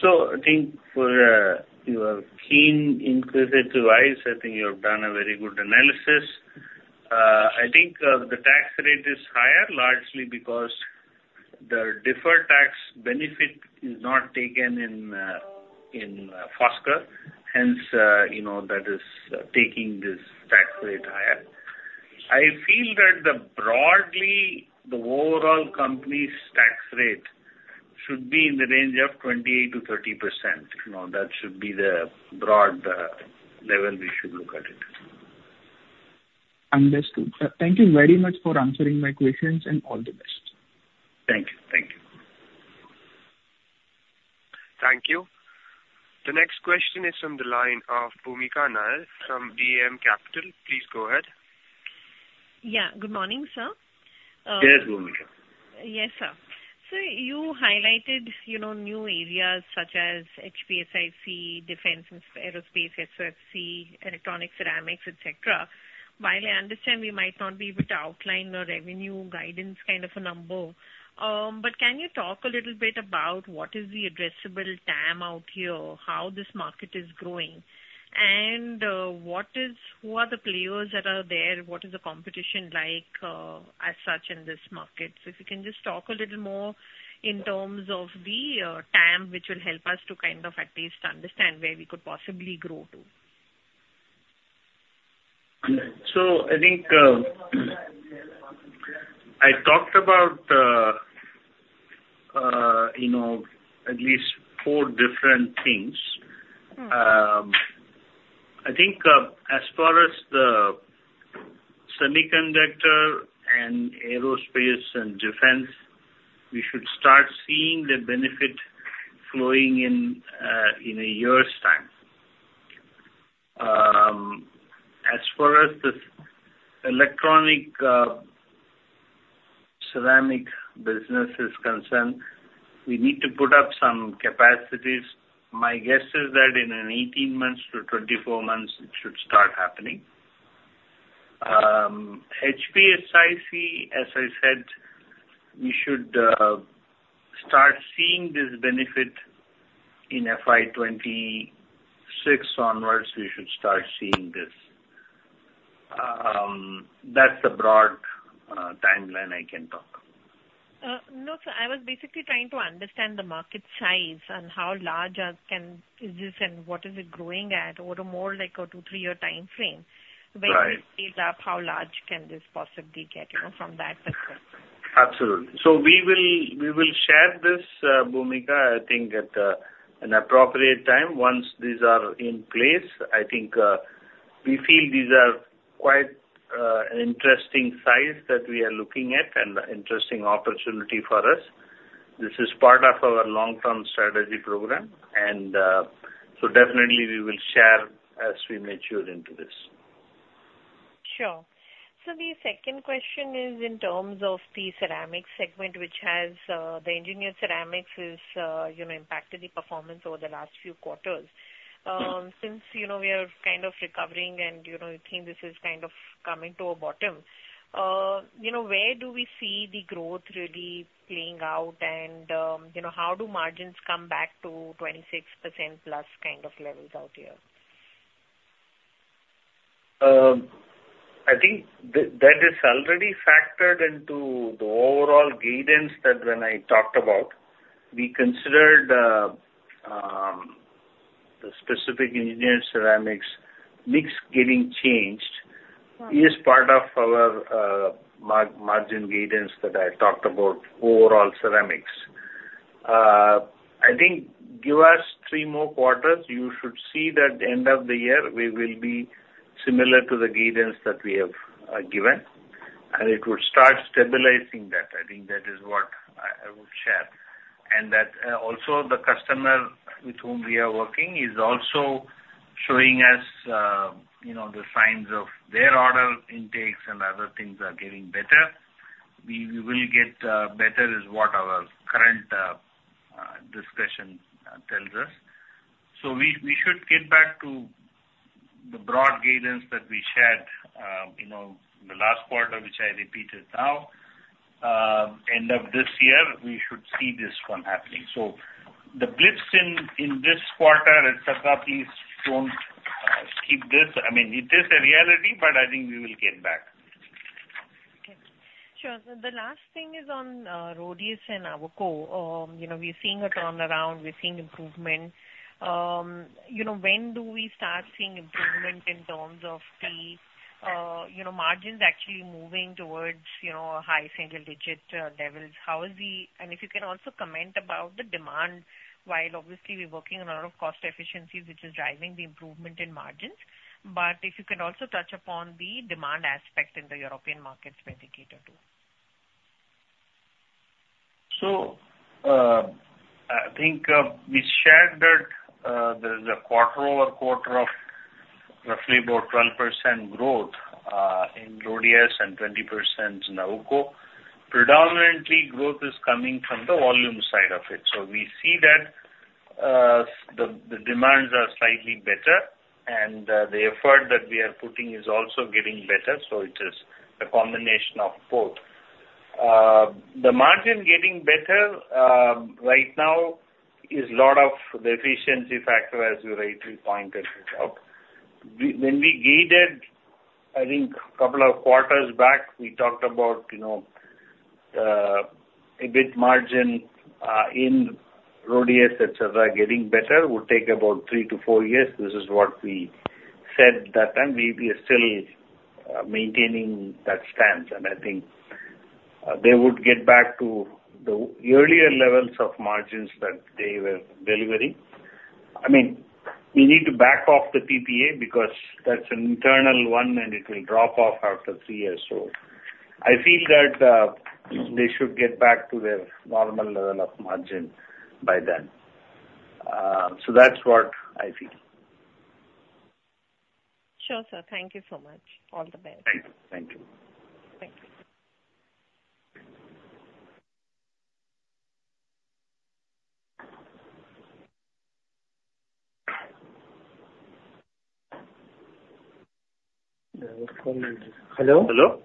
So I think for your keen, inquisitive eyes, I think you have done a very good analysis. I think the tax rate is higher, largely because the deferred tax benefit is not taken in, in Foskor. Hence, you know, that is taking this tax rate higher. I feel that the broadly, the overall company's tax rate should be in the range of 28%-30%. You know, that should be the broad level we should look at it. Understood. Thank you very much for answering my questions, and all the best. Thank you. Thank you. Thank you. The next question is from the line of Bhoomika Nair from DAM Capital. Please go ahead. Yeah. Good morning, sir. Yes, Bhumika. Yes, sir. So you highlighted, you know, new areas such as HPSIC, defense and aerospace, SOFC, electronic ceramics, et cetera. While I understand we might not be able to outline a revenue guidance kind of a number, but can you talk a little bit about what is the addressable TAM out here, how this market is growing, and who are the players that are there, what is the competition like, as such in this market? So if you can just talk a little more in terms of the TAM, which will help us to kind of at least understand where we could possibly grow to. So I think, I talked about, you know, at least four different things. Mm. I think, as far as the semiconductor and aerospace and defense, we should start seeing the benefit flowing in, in a year's time. As far as the electronic, ceramic business is concerned, we need to put up some capacities. My guess is that in an 18 months to 24 months, it should start happening. HPSIC, as I said, we should start seeing this benefit in FY 2026 onwards, we should start seeing this. That's the broad timeline I can talk. No, sir, I was basically trying to understand the market size and how large is this, and what is it growing at over more like a two-three-year timeframe? Right. When it scales up, how large can this possibly get, you know, from that perspective? Absolutely. So we will, we will share this, Bhoomika, I think at, an appropriate time. Once these are in place, I think, we feel these are quite, an interesting size that we are looking at and interesting opportunity for us. This is part of our long-term strategy program, and, so definitely we will share as we mature into this. Sure. So the second question is in terms of the Ceramics segment, which has, the Engineered Ceramics is, you know, impacted the performance over the last few quarters. Mm. Since, you know, we are kind of recovering and, you know, you think this is kind of coming to a bottom, you know, where do we see the growth really playing out and, you know, how do margins come back to 26% plus kind of levels out here? I think that is already factored into the overall guidance that when I talked about, we considered, the specific Engineered Ceramics mix getting changed- Mm. This is part of our margin guidance that I talked about, overall ceramics. I think give us three more quarters, you should see that end of the year, we will be similar to the guidance that we have given, and it will start stabilizing that. I think that is what I would share. And that also the customer with whom we are working is also showing us, you know, the signs of their order intakes and other things are getting better. We will get better, is what our current discussion tells us. So we should get back to the broad guidance that we shared, you know, in the last quarter, which I repeated now. End of this year, we should see this one happening. So the blips in, in this quarter, et cetera, please don't skip this. I mean, it is a reality, but I think we will get back. Okay. Sure. So the last thing is on Rhodius and AWUKO. You know, we're seeing a turnaround, we're seeing improvement. You know, when do we start seeing improvement in terms of the, you know, margins actually moving towards, you know, high single digit levels? How is the... And if you can also comment about the demand, while obviously we're working on a lot of cost efficiencies, which is driving the improvement in margins, but if you can also touch upon the demand aspect in the European markets where they cater to. So, I think, we shared that, there is a quarter-over-quarter of roughly about 12% growth, in Rhodius and 20% in AWUKO. Predominantly, growth is coming from the volume side of it. So we see that, the demands are slightly better, and the effort that we are putting is also getting better, so it is a combination of both. The margin getting better, right now, is a lot of the efficiency factor, as you rightly pointed it out. When we guided, I think couple of quarters back, we talked about, you know, EBIT margin, in Rhodius, et cetera, getting better, would take about 3-4 years. This is what we said that, and we are still maintaining that stance, and I think they would get back to the earlier levels of margins that they were delivering. I mean, we need to back off the PPA, because that's an internal one, and it will drop off after three years. So I feel that they should get back to their normal level of margin by then. So that's what I feel. Sure, sir. Thank you so much. All the best. Thank you. Thank you. Thank you. Hello? Hello?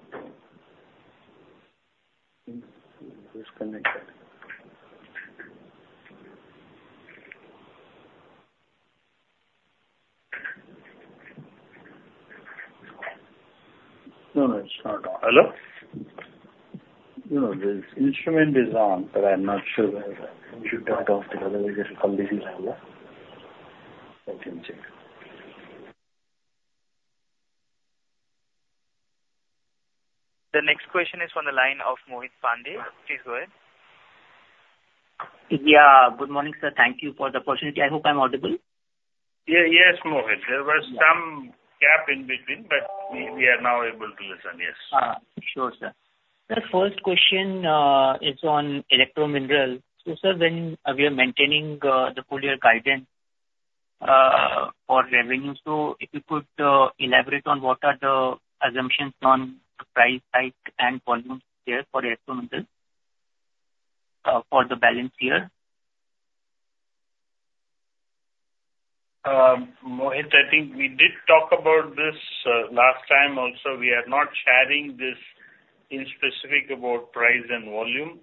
No, no, it's not on. Hello? No, the instrument is on, but I'm not sure whether we should turn it off, because otherwise there's some issue. Let me check. The next question is on the line of Mohit Pandey. Please go ahead. Yeah, good morning, sir. Thank you for the opportunity. I hope I'm audible. Yes, Mohit. There was some gap in between, but we, we are now able to listen, yes. Sure, sir. The first question is on Electrominerals. So, sir, when we are maintaining the full year guidance for revenue, so if you could elaborate on what are the assumptions on the price hike and volume there for Electrominerals for the balance year? Mohit, I think we did talk about this last time also. We are not sharing this in specific about price and volume.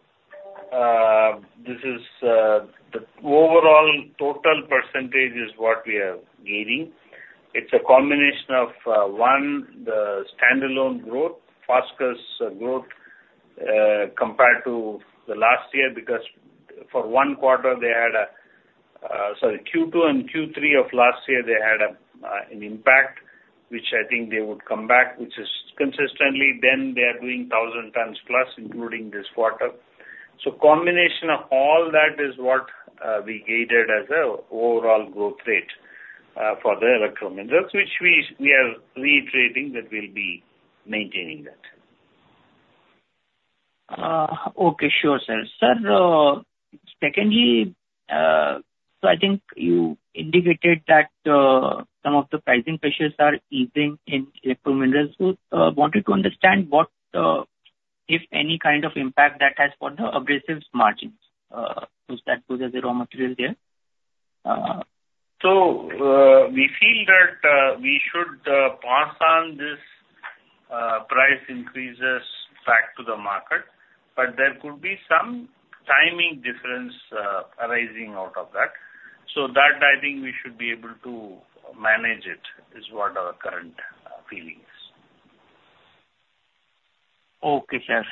This is overall, total percentage is what we are gaining. It's a combination of one, the standalone growth, Foskor growth, compared to the last year, because for one quarter, they had a sorry, Q2 and Q3 of last year, they had an impact, which I think they would come back, which is consistently then they are doing thousand times plus, including this quarter. So combination of all that is what we gated as an overall growth rate for the Electro Minerals, which we, we are reiterating that we'll be maintaining that. Okay. Sure, sir. Sir, secondly, so I think you indicated that some of the pricing pressures are easing in Electro Minerals. So, wanted to understand what, if any, kind of impact that has for the abrasives margins, since that was the raw material there. So, we feel that we should pass on this price increases back to the market, but there could be some timing difference arising out of that. So that, I think we should be able to manage it, is what our current feeling is. Okay, sir.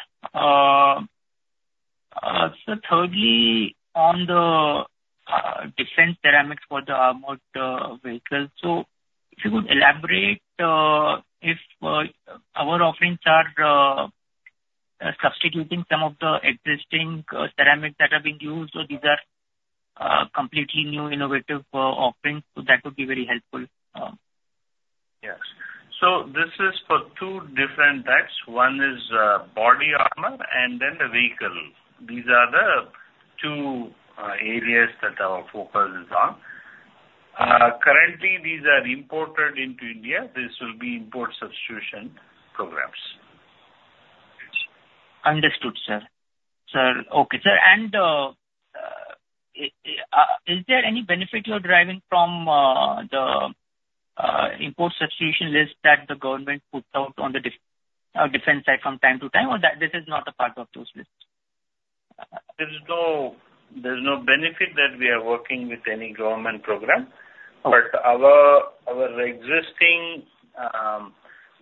So thirdly, on the different ceramics for the armored vehicles. So if you could elaborate if our offerings are substituting some of the existing ceramics that are being used, or these are completely new innovative offerings, so that would be very helpful. Yes. So this is for two different types. One is body armor and then the vehicle. These are the two areas that our focus is on. Currently, these are imported into India. This will be import substitution programs. Understood, sir. Sir, okay, sir, and is there any benefit you're deriving from the import substitution list that the government puts out on the defense side from time to time, or that this is not a part of those lists? There's no benefit that we are working with any government program. Okay. But our, our existing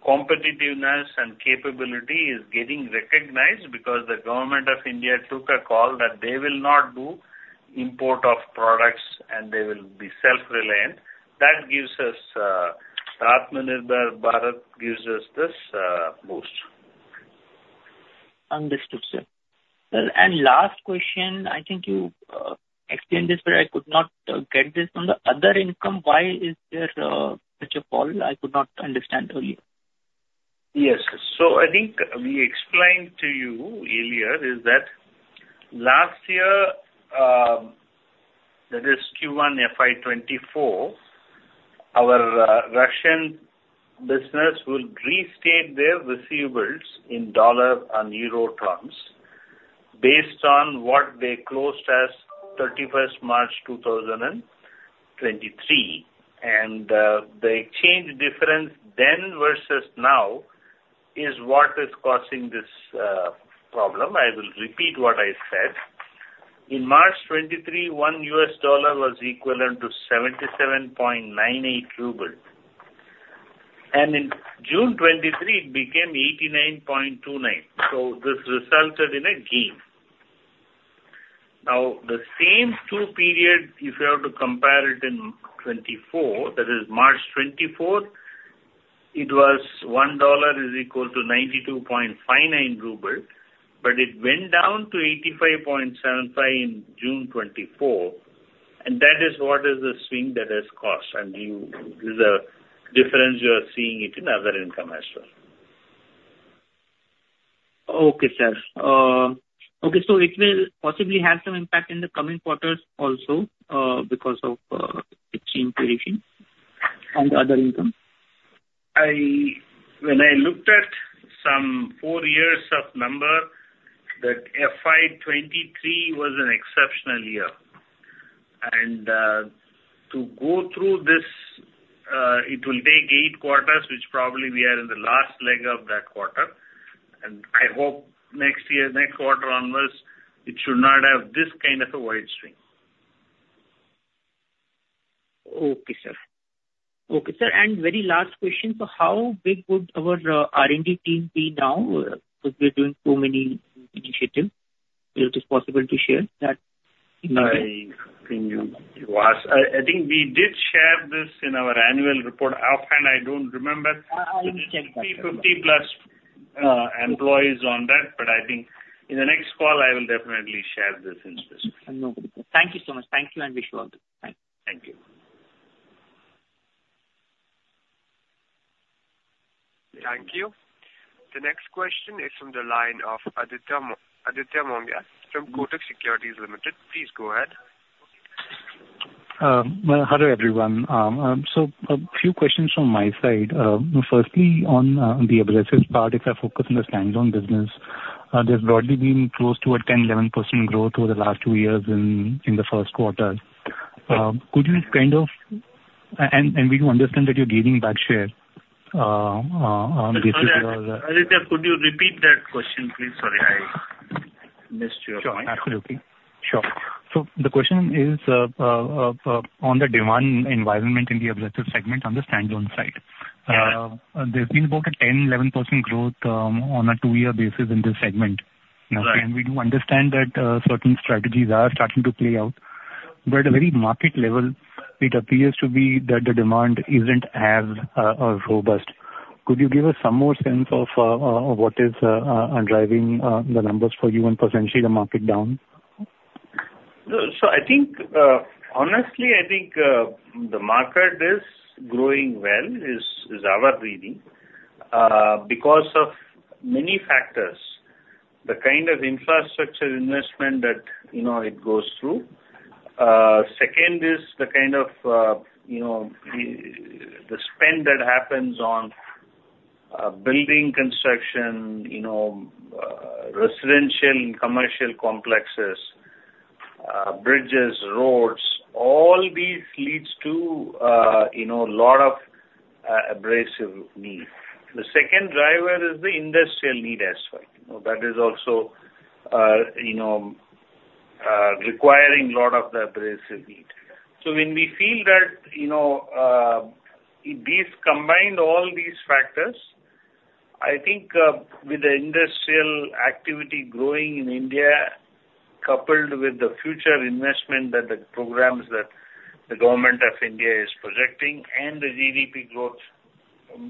competitiveness and capability is getting recognized because the government of India took a call that they will not do import of products, and they will be self-reliant. That gives us Atmanirbhar Bharat, gives us this boost. Understood, sir. Sir, last question. I think you explained this, but I could not get this. On the other income, why is there such a fall? I could not understand earlier. Yes. So I think we explained to you earlier, is that last year, that is Q1 FY 2024, our Russian business will restate their receivables in dollar and euro terms based on what they closed as 31st March 2023. And the exchange difference then versus now is what is causing this problem. I will repeat what I said. In March 2023, 1 US dollar was equivalent to 77.98 rubles, and in June 2023 it became 89.29 RUB, so this resulted in a gain. Now, the same two period, if you have to compare it in 2024, that is March 2024, it was 1 dollar is equal to 92.59 ruble, but it went down to 85.75 RUB in June 2024, and that is what is the swing that has caused. I mean, this is a difference you are seeing it in other income as well. Okay, sir. Okay, so it will possibly have some impact in the coming quarters also, because of the exchange variation on the other income? When I looked at some four years of number, that FY 2023 was an exceptional year. And to go through this, it will take eight quarters, which probably we are in the last leg of that quarter, and I hope next year, next quarter onwards, it should not have this kind of a wide swing. Okay, sir. Okay, sir, and very last question: so how big would our R&D team be now, because we're doing so many initiatives? If it is possible to share that? I think it was... I think we did share this in our annual report. Offhand, I don't remember. I will check that. 50, 50+ employees on that, but I think in the next call, I will definitely share this in this. Thank you so much. Thank you, and wish you all the best. Thank you. Thank you. Thank you. The next question is from the line of Aditya Mongia from Kotak Securities Limited. Please go ahead. Well, hello, everyone. So a few questions from my side. Firstly, on the Abrasives part, if I focus on the standalone business, there's broadly been close to 10%-11% growth over the last two years in Q1. Could you kind of and we do understand that you're gaining back share on this- Sorry, Aditya, could you repeat that question, please? Sorry, I missed your point. Sure. Absolutely. Sure. So the question is, on the demand environment in the Abrasives segment on the standalone side. Yeah. There's been about 10%-11% growth on a two-year basis in this segment. Right. We do understand that certain strategies are starting to play out. But at a very market level, it appears to be that the demand isn't as robust. Could you give us some more sense of what is driving the numbers for you and potentially the market down? So, I think, honestly, I think, the market is growing well, is our reading, because of many factors. The kind of infrastructure investment that, you know, it goes through. Second is the kind of, you know, the spend that happens on, building construction, you know, residential and commercial complexes, bridges, roads, all these leads to, you know, a lot of, abrasive need. The second driver is the industrial need as well. You know, that is also, you know, requiring a lot of the abrasive need. So when we feel that, you know, these combined, all these factors, I think, with the industrial activity growing in India, coupled with the future investment that the programs that the Government of India is projecting and the GDP growth,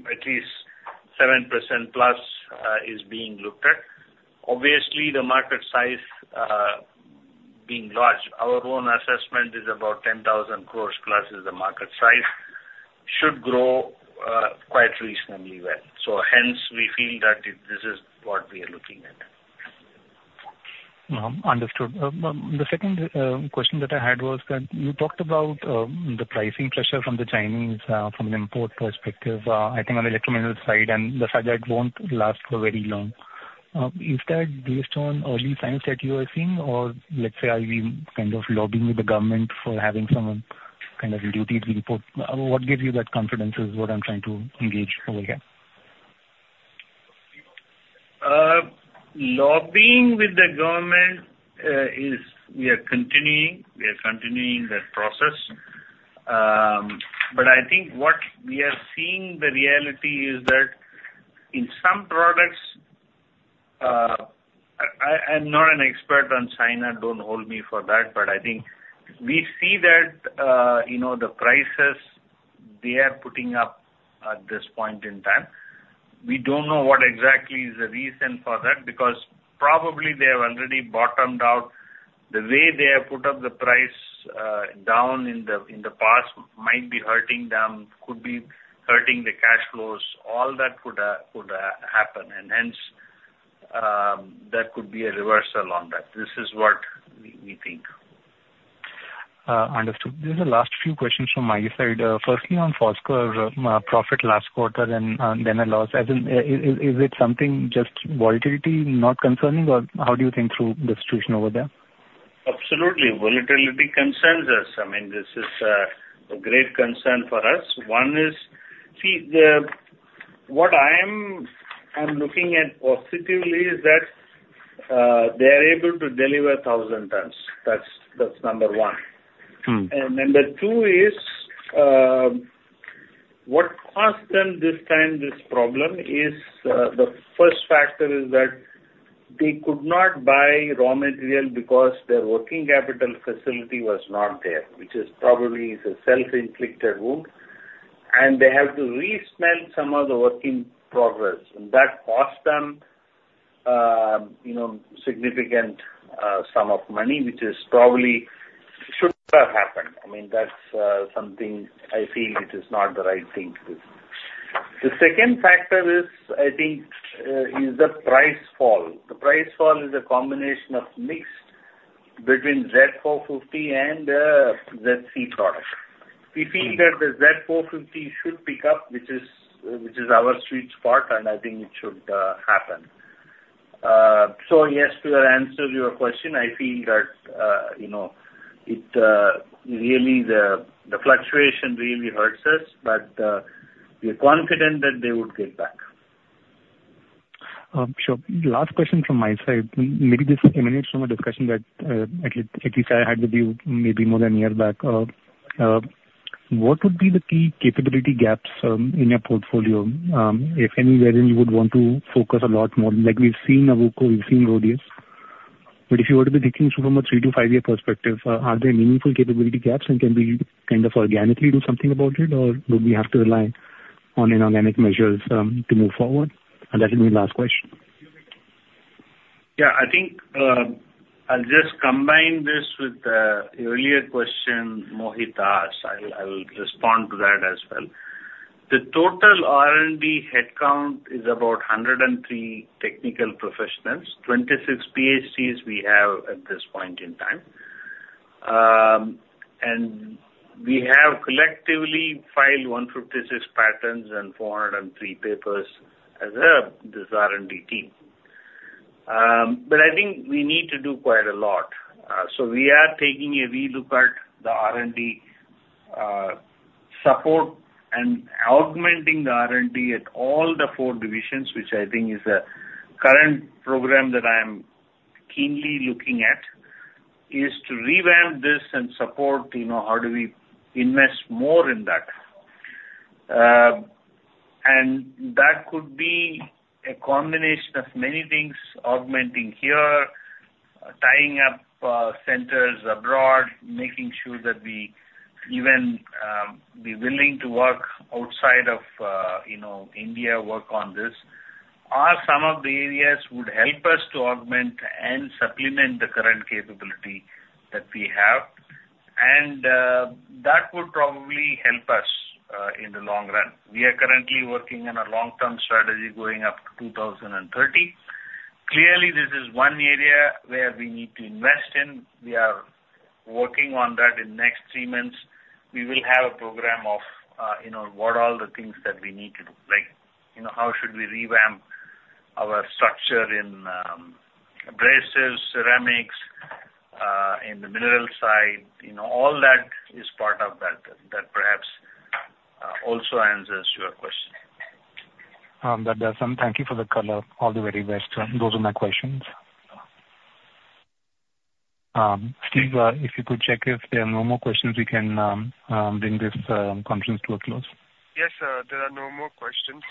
at least 7%+, is being looked at, obviously the market size, being large, our own assessment is about 10,000 crore+ is the market size, should grow, quite reasonably well. So hence, we feel that this is what we are looking at. Understood. The second question that I had was that you talked about the pricing pressure from the Chinese, from an import perspective, I think on the electrominerals side, and the fact that won't last for very long. Is that based on early signs that you are seeing, or let's say, are you kind of lobbying with the government for having some kind of duty to import? What gives you that confidence, is what I'm trying to engage over here. Lobbying with the government is we are continuing, we are continuing that process. But I think what we are seeing the reality is that in some products, I, I'm not an expert on China, don't hold me for that, but I think we see that, you know, the prices they are putting up at this point in time. We don't know what exactly is the reason for that, because probably they have already bottomed out. The way they have put up the price down in the past might be hurting them, could be hurting the cash flows. All that could happen, and hence, there could be a reversal on that. This is what we think. Understood. These are the last few questions from my side. Firstly, on Foskor, profit last quarter and then a loss. I think, is it something just volatility not concerning, or how do you think through the situation over there? Absolutely. Volatility concerns us. I mean, this is a great concern for us. One is. See, what I am looking at positively is that they are able to deliver 1,000 tons. That's, that's number one. Mm. And number two is, what caused them this time, this problem is, the first factor is that they could not buy raw material because their working capital facility was not there, which is probably is a self-inflicted wound, and they have to re-sell some of the work in progress, and that cost them, you know, significant sum of money, which is probably shouldn't have happened. I mean, that's something I feel it is not the right thing to do. The second factor is, I think, is the price fall. The price fall is a combination of mix between Z450 and Z3 product. Mm. We feel that the Z450 should pick up, which is, which is our sweet spot, and I think it should happen. So yes, to answer your question, I feel that, you know, it really the, the fluctuation really hurts us, but we are confident that they would get back. Sure. Last question from my side. Maybe this emanates from a discussion that, at least, at least I had with you maybe more than a year back. What would be the key capability gaps, in your portfolio? If anywhere in you would want to focus a lot more, like we've seen Awuko, we've seen Rhodius. But if you were to be thinking through from a 3-5-year perspective, are there meaningful capability gaps, and can we kind of organically do something about it, or would we have to rely on inorganic measures, to move forward? And that will be my last question. Yeah. I think, I'll just combine this with the earlier question Mohit asked. I'll, I'll respond to that as well. The total R&D headcount is about 103 technical professionals, 26 PhDs we have at this point in time. And we have collectively filed 156 patents and 403 papers as this R&D team. But I think we need to do quite a lot. So we are taking a relook at the R&D support and augmenting the R&D at all the four divisions, which I think is a current program that I am keenly looking at, is to revamp this and support, you know, how do we invest more in that? and that could be a combination of many things, augmenting here, tying up, centers abroad, making sure that we even, be willing to work outside of, you know, India, work on this, are some of the areas would help us to augment and supplement the current capability that we have. And, that would probably help us, in the long run. We are currently working on a long-term strategy going up to 2030. Clearly, this is one area where we need to invest in. We are working on that. In next three months, we will have a program of, you know, what are all the things that we need to do, like, you know, how should we revamp our structure in, abrasives, ceramics, in the electrominerals side? You know, all that is part of that, perhaps, also answers your question. That does. Thank you for the color. All the very best. Those are my questions. Steve, if you could check, if there are no more questions, we can bring this conference to a close. Yes, sir, there are no more questions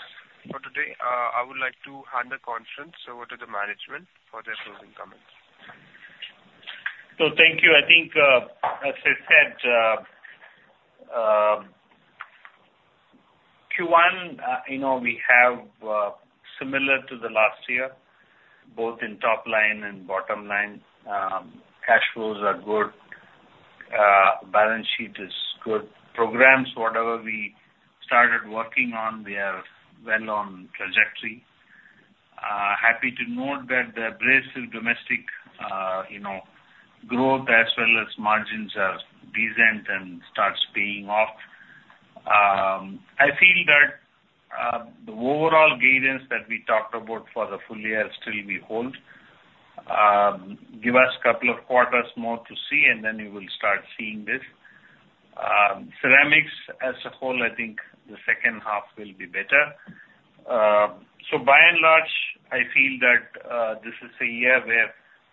for today. I would like to hand the conference over to the management for their closing comments. So thank you. I think, as I said, Q1, you know, we have, similar to the last year, both in top line and bottom line. Cash flows are good, balance sheet is good. Programs, whatever we started working on, we are well on trajectory. Happy to note that the abrasives domestic, you know, growth as well as margins are decent and starts paying off. I feel that, the overall guidance that we talked about for the full year still we hold. Give us a couple of quarters more to see, and then you will start seeing this. ceramics as a whole, I think the second half will be better. So by and large, I feel that, this is a year where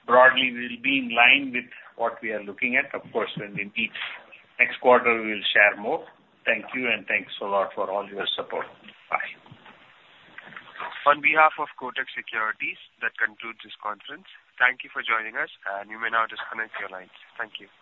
broadly we'll be in line with what we are looking at. Of course, when we meet next quarter, we will share more. Thank you, and thanks a lot for all your support. Bye. On behalf of Kotak Securities, that concludes this conference. Thank you for joining us, and you may now disconnect your lines. Thank you.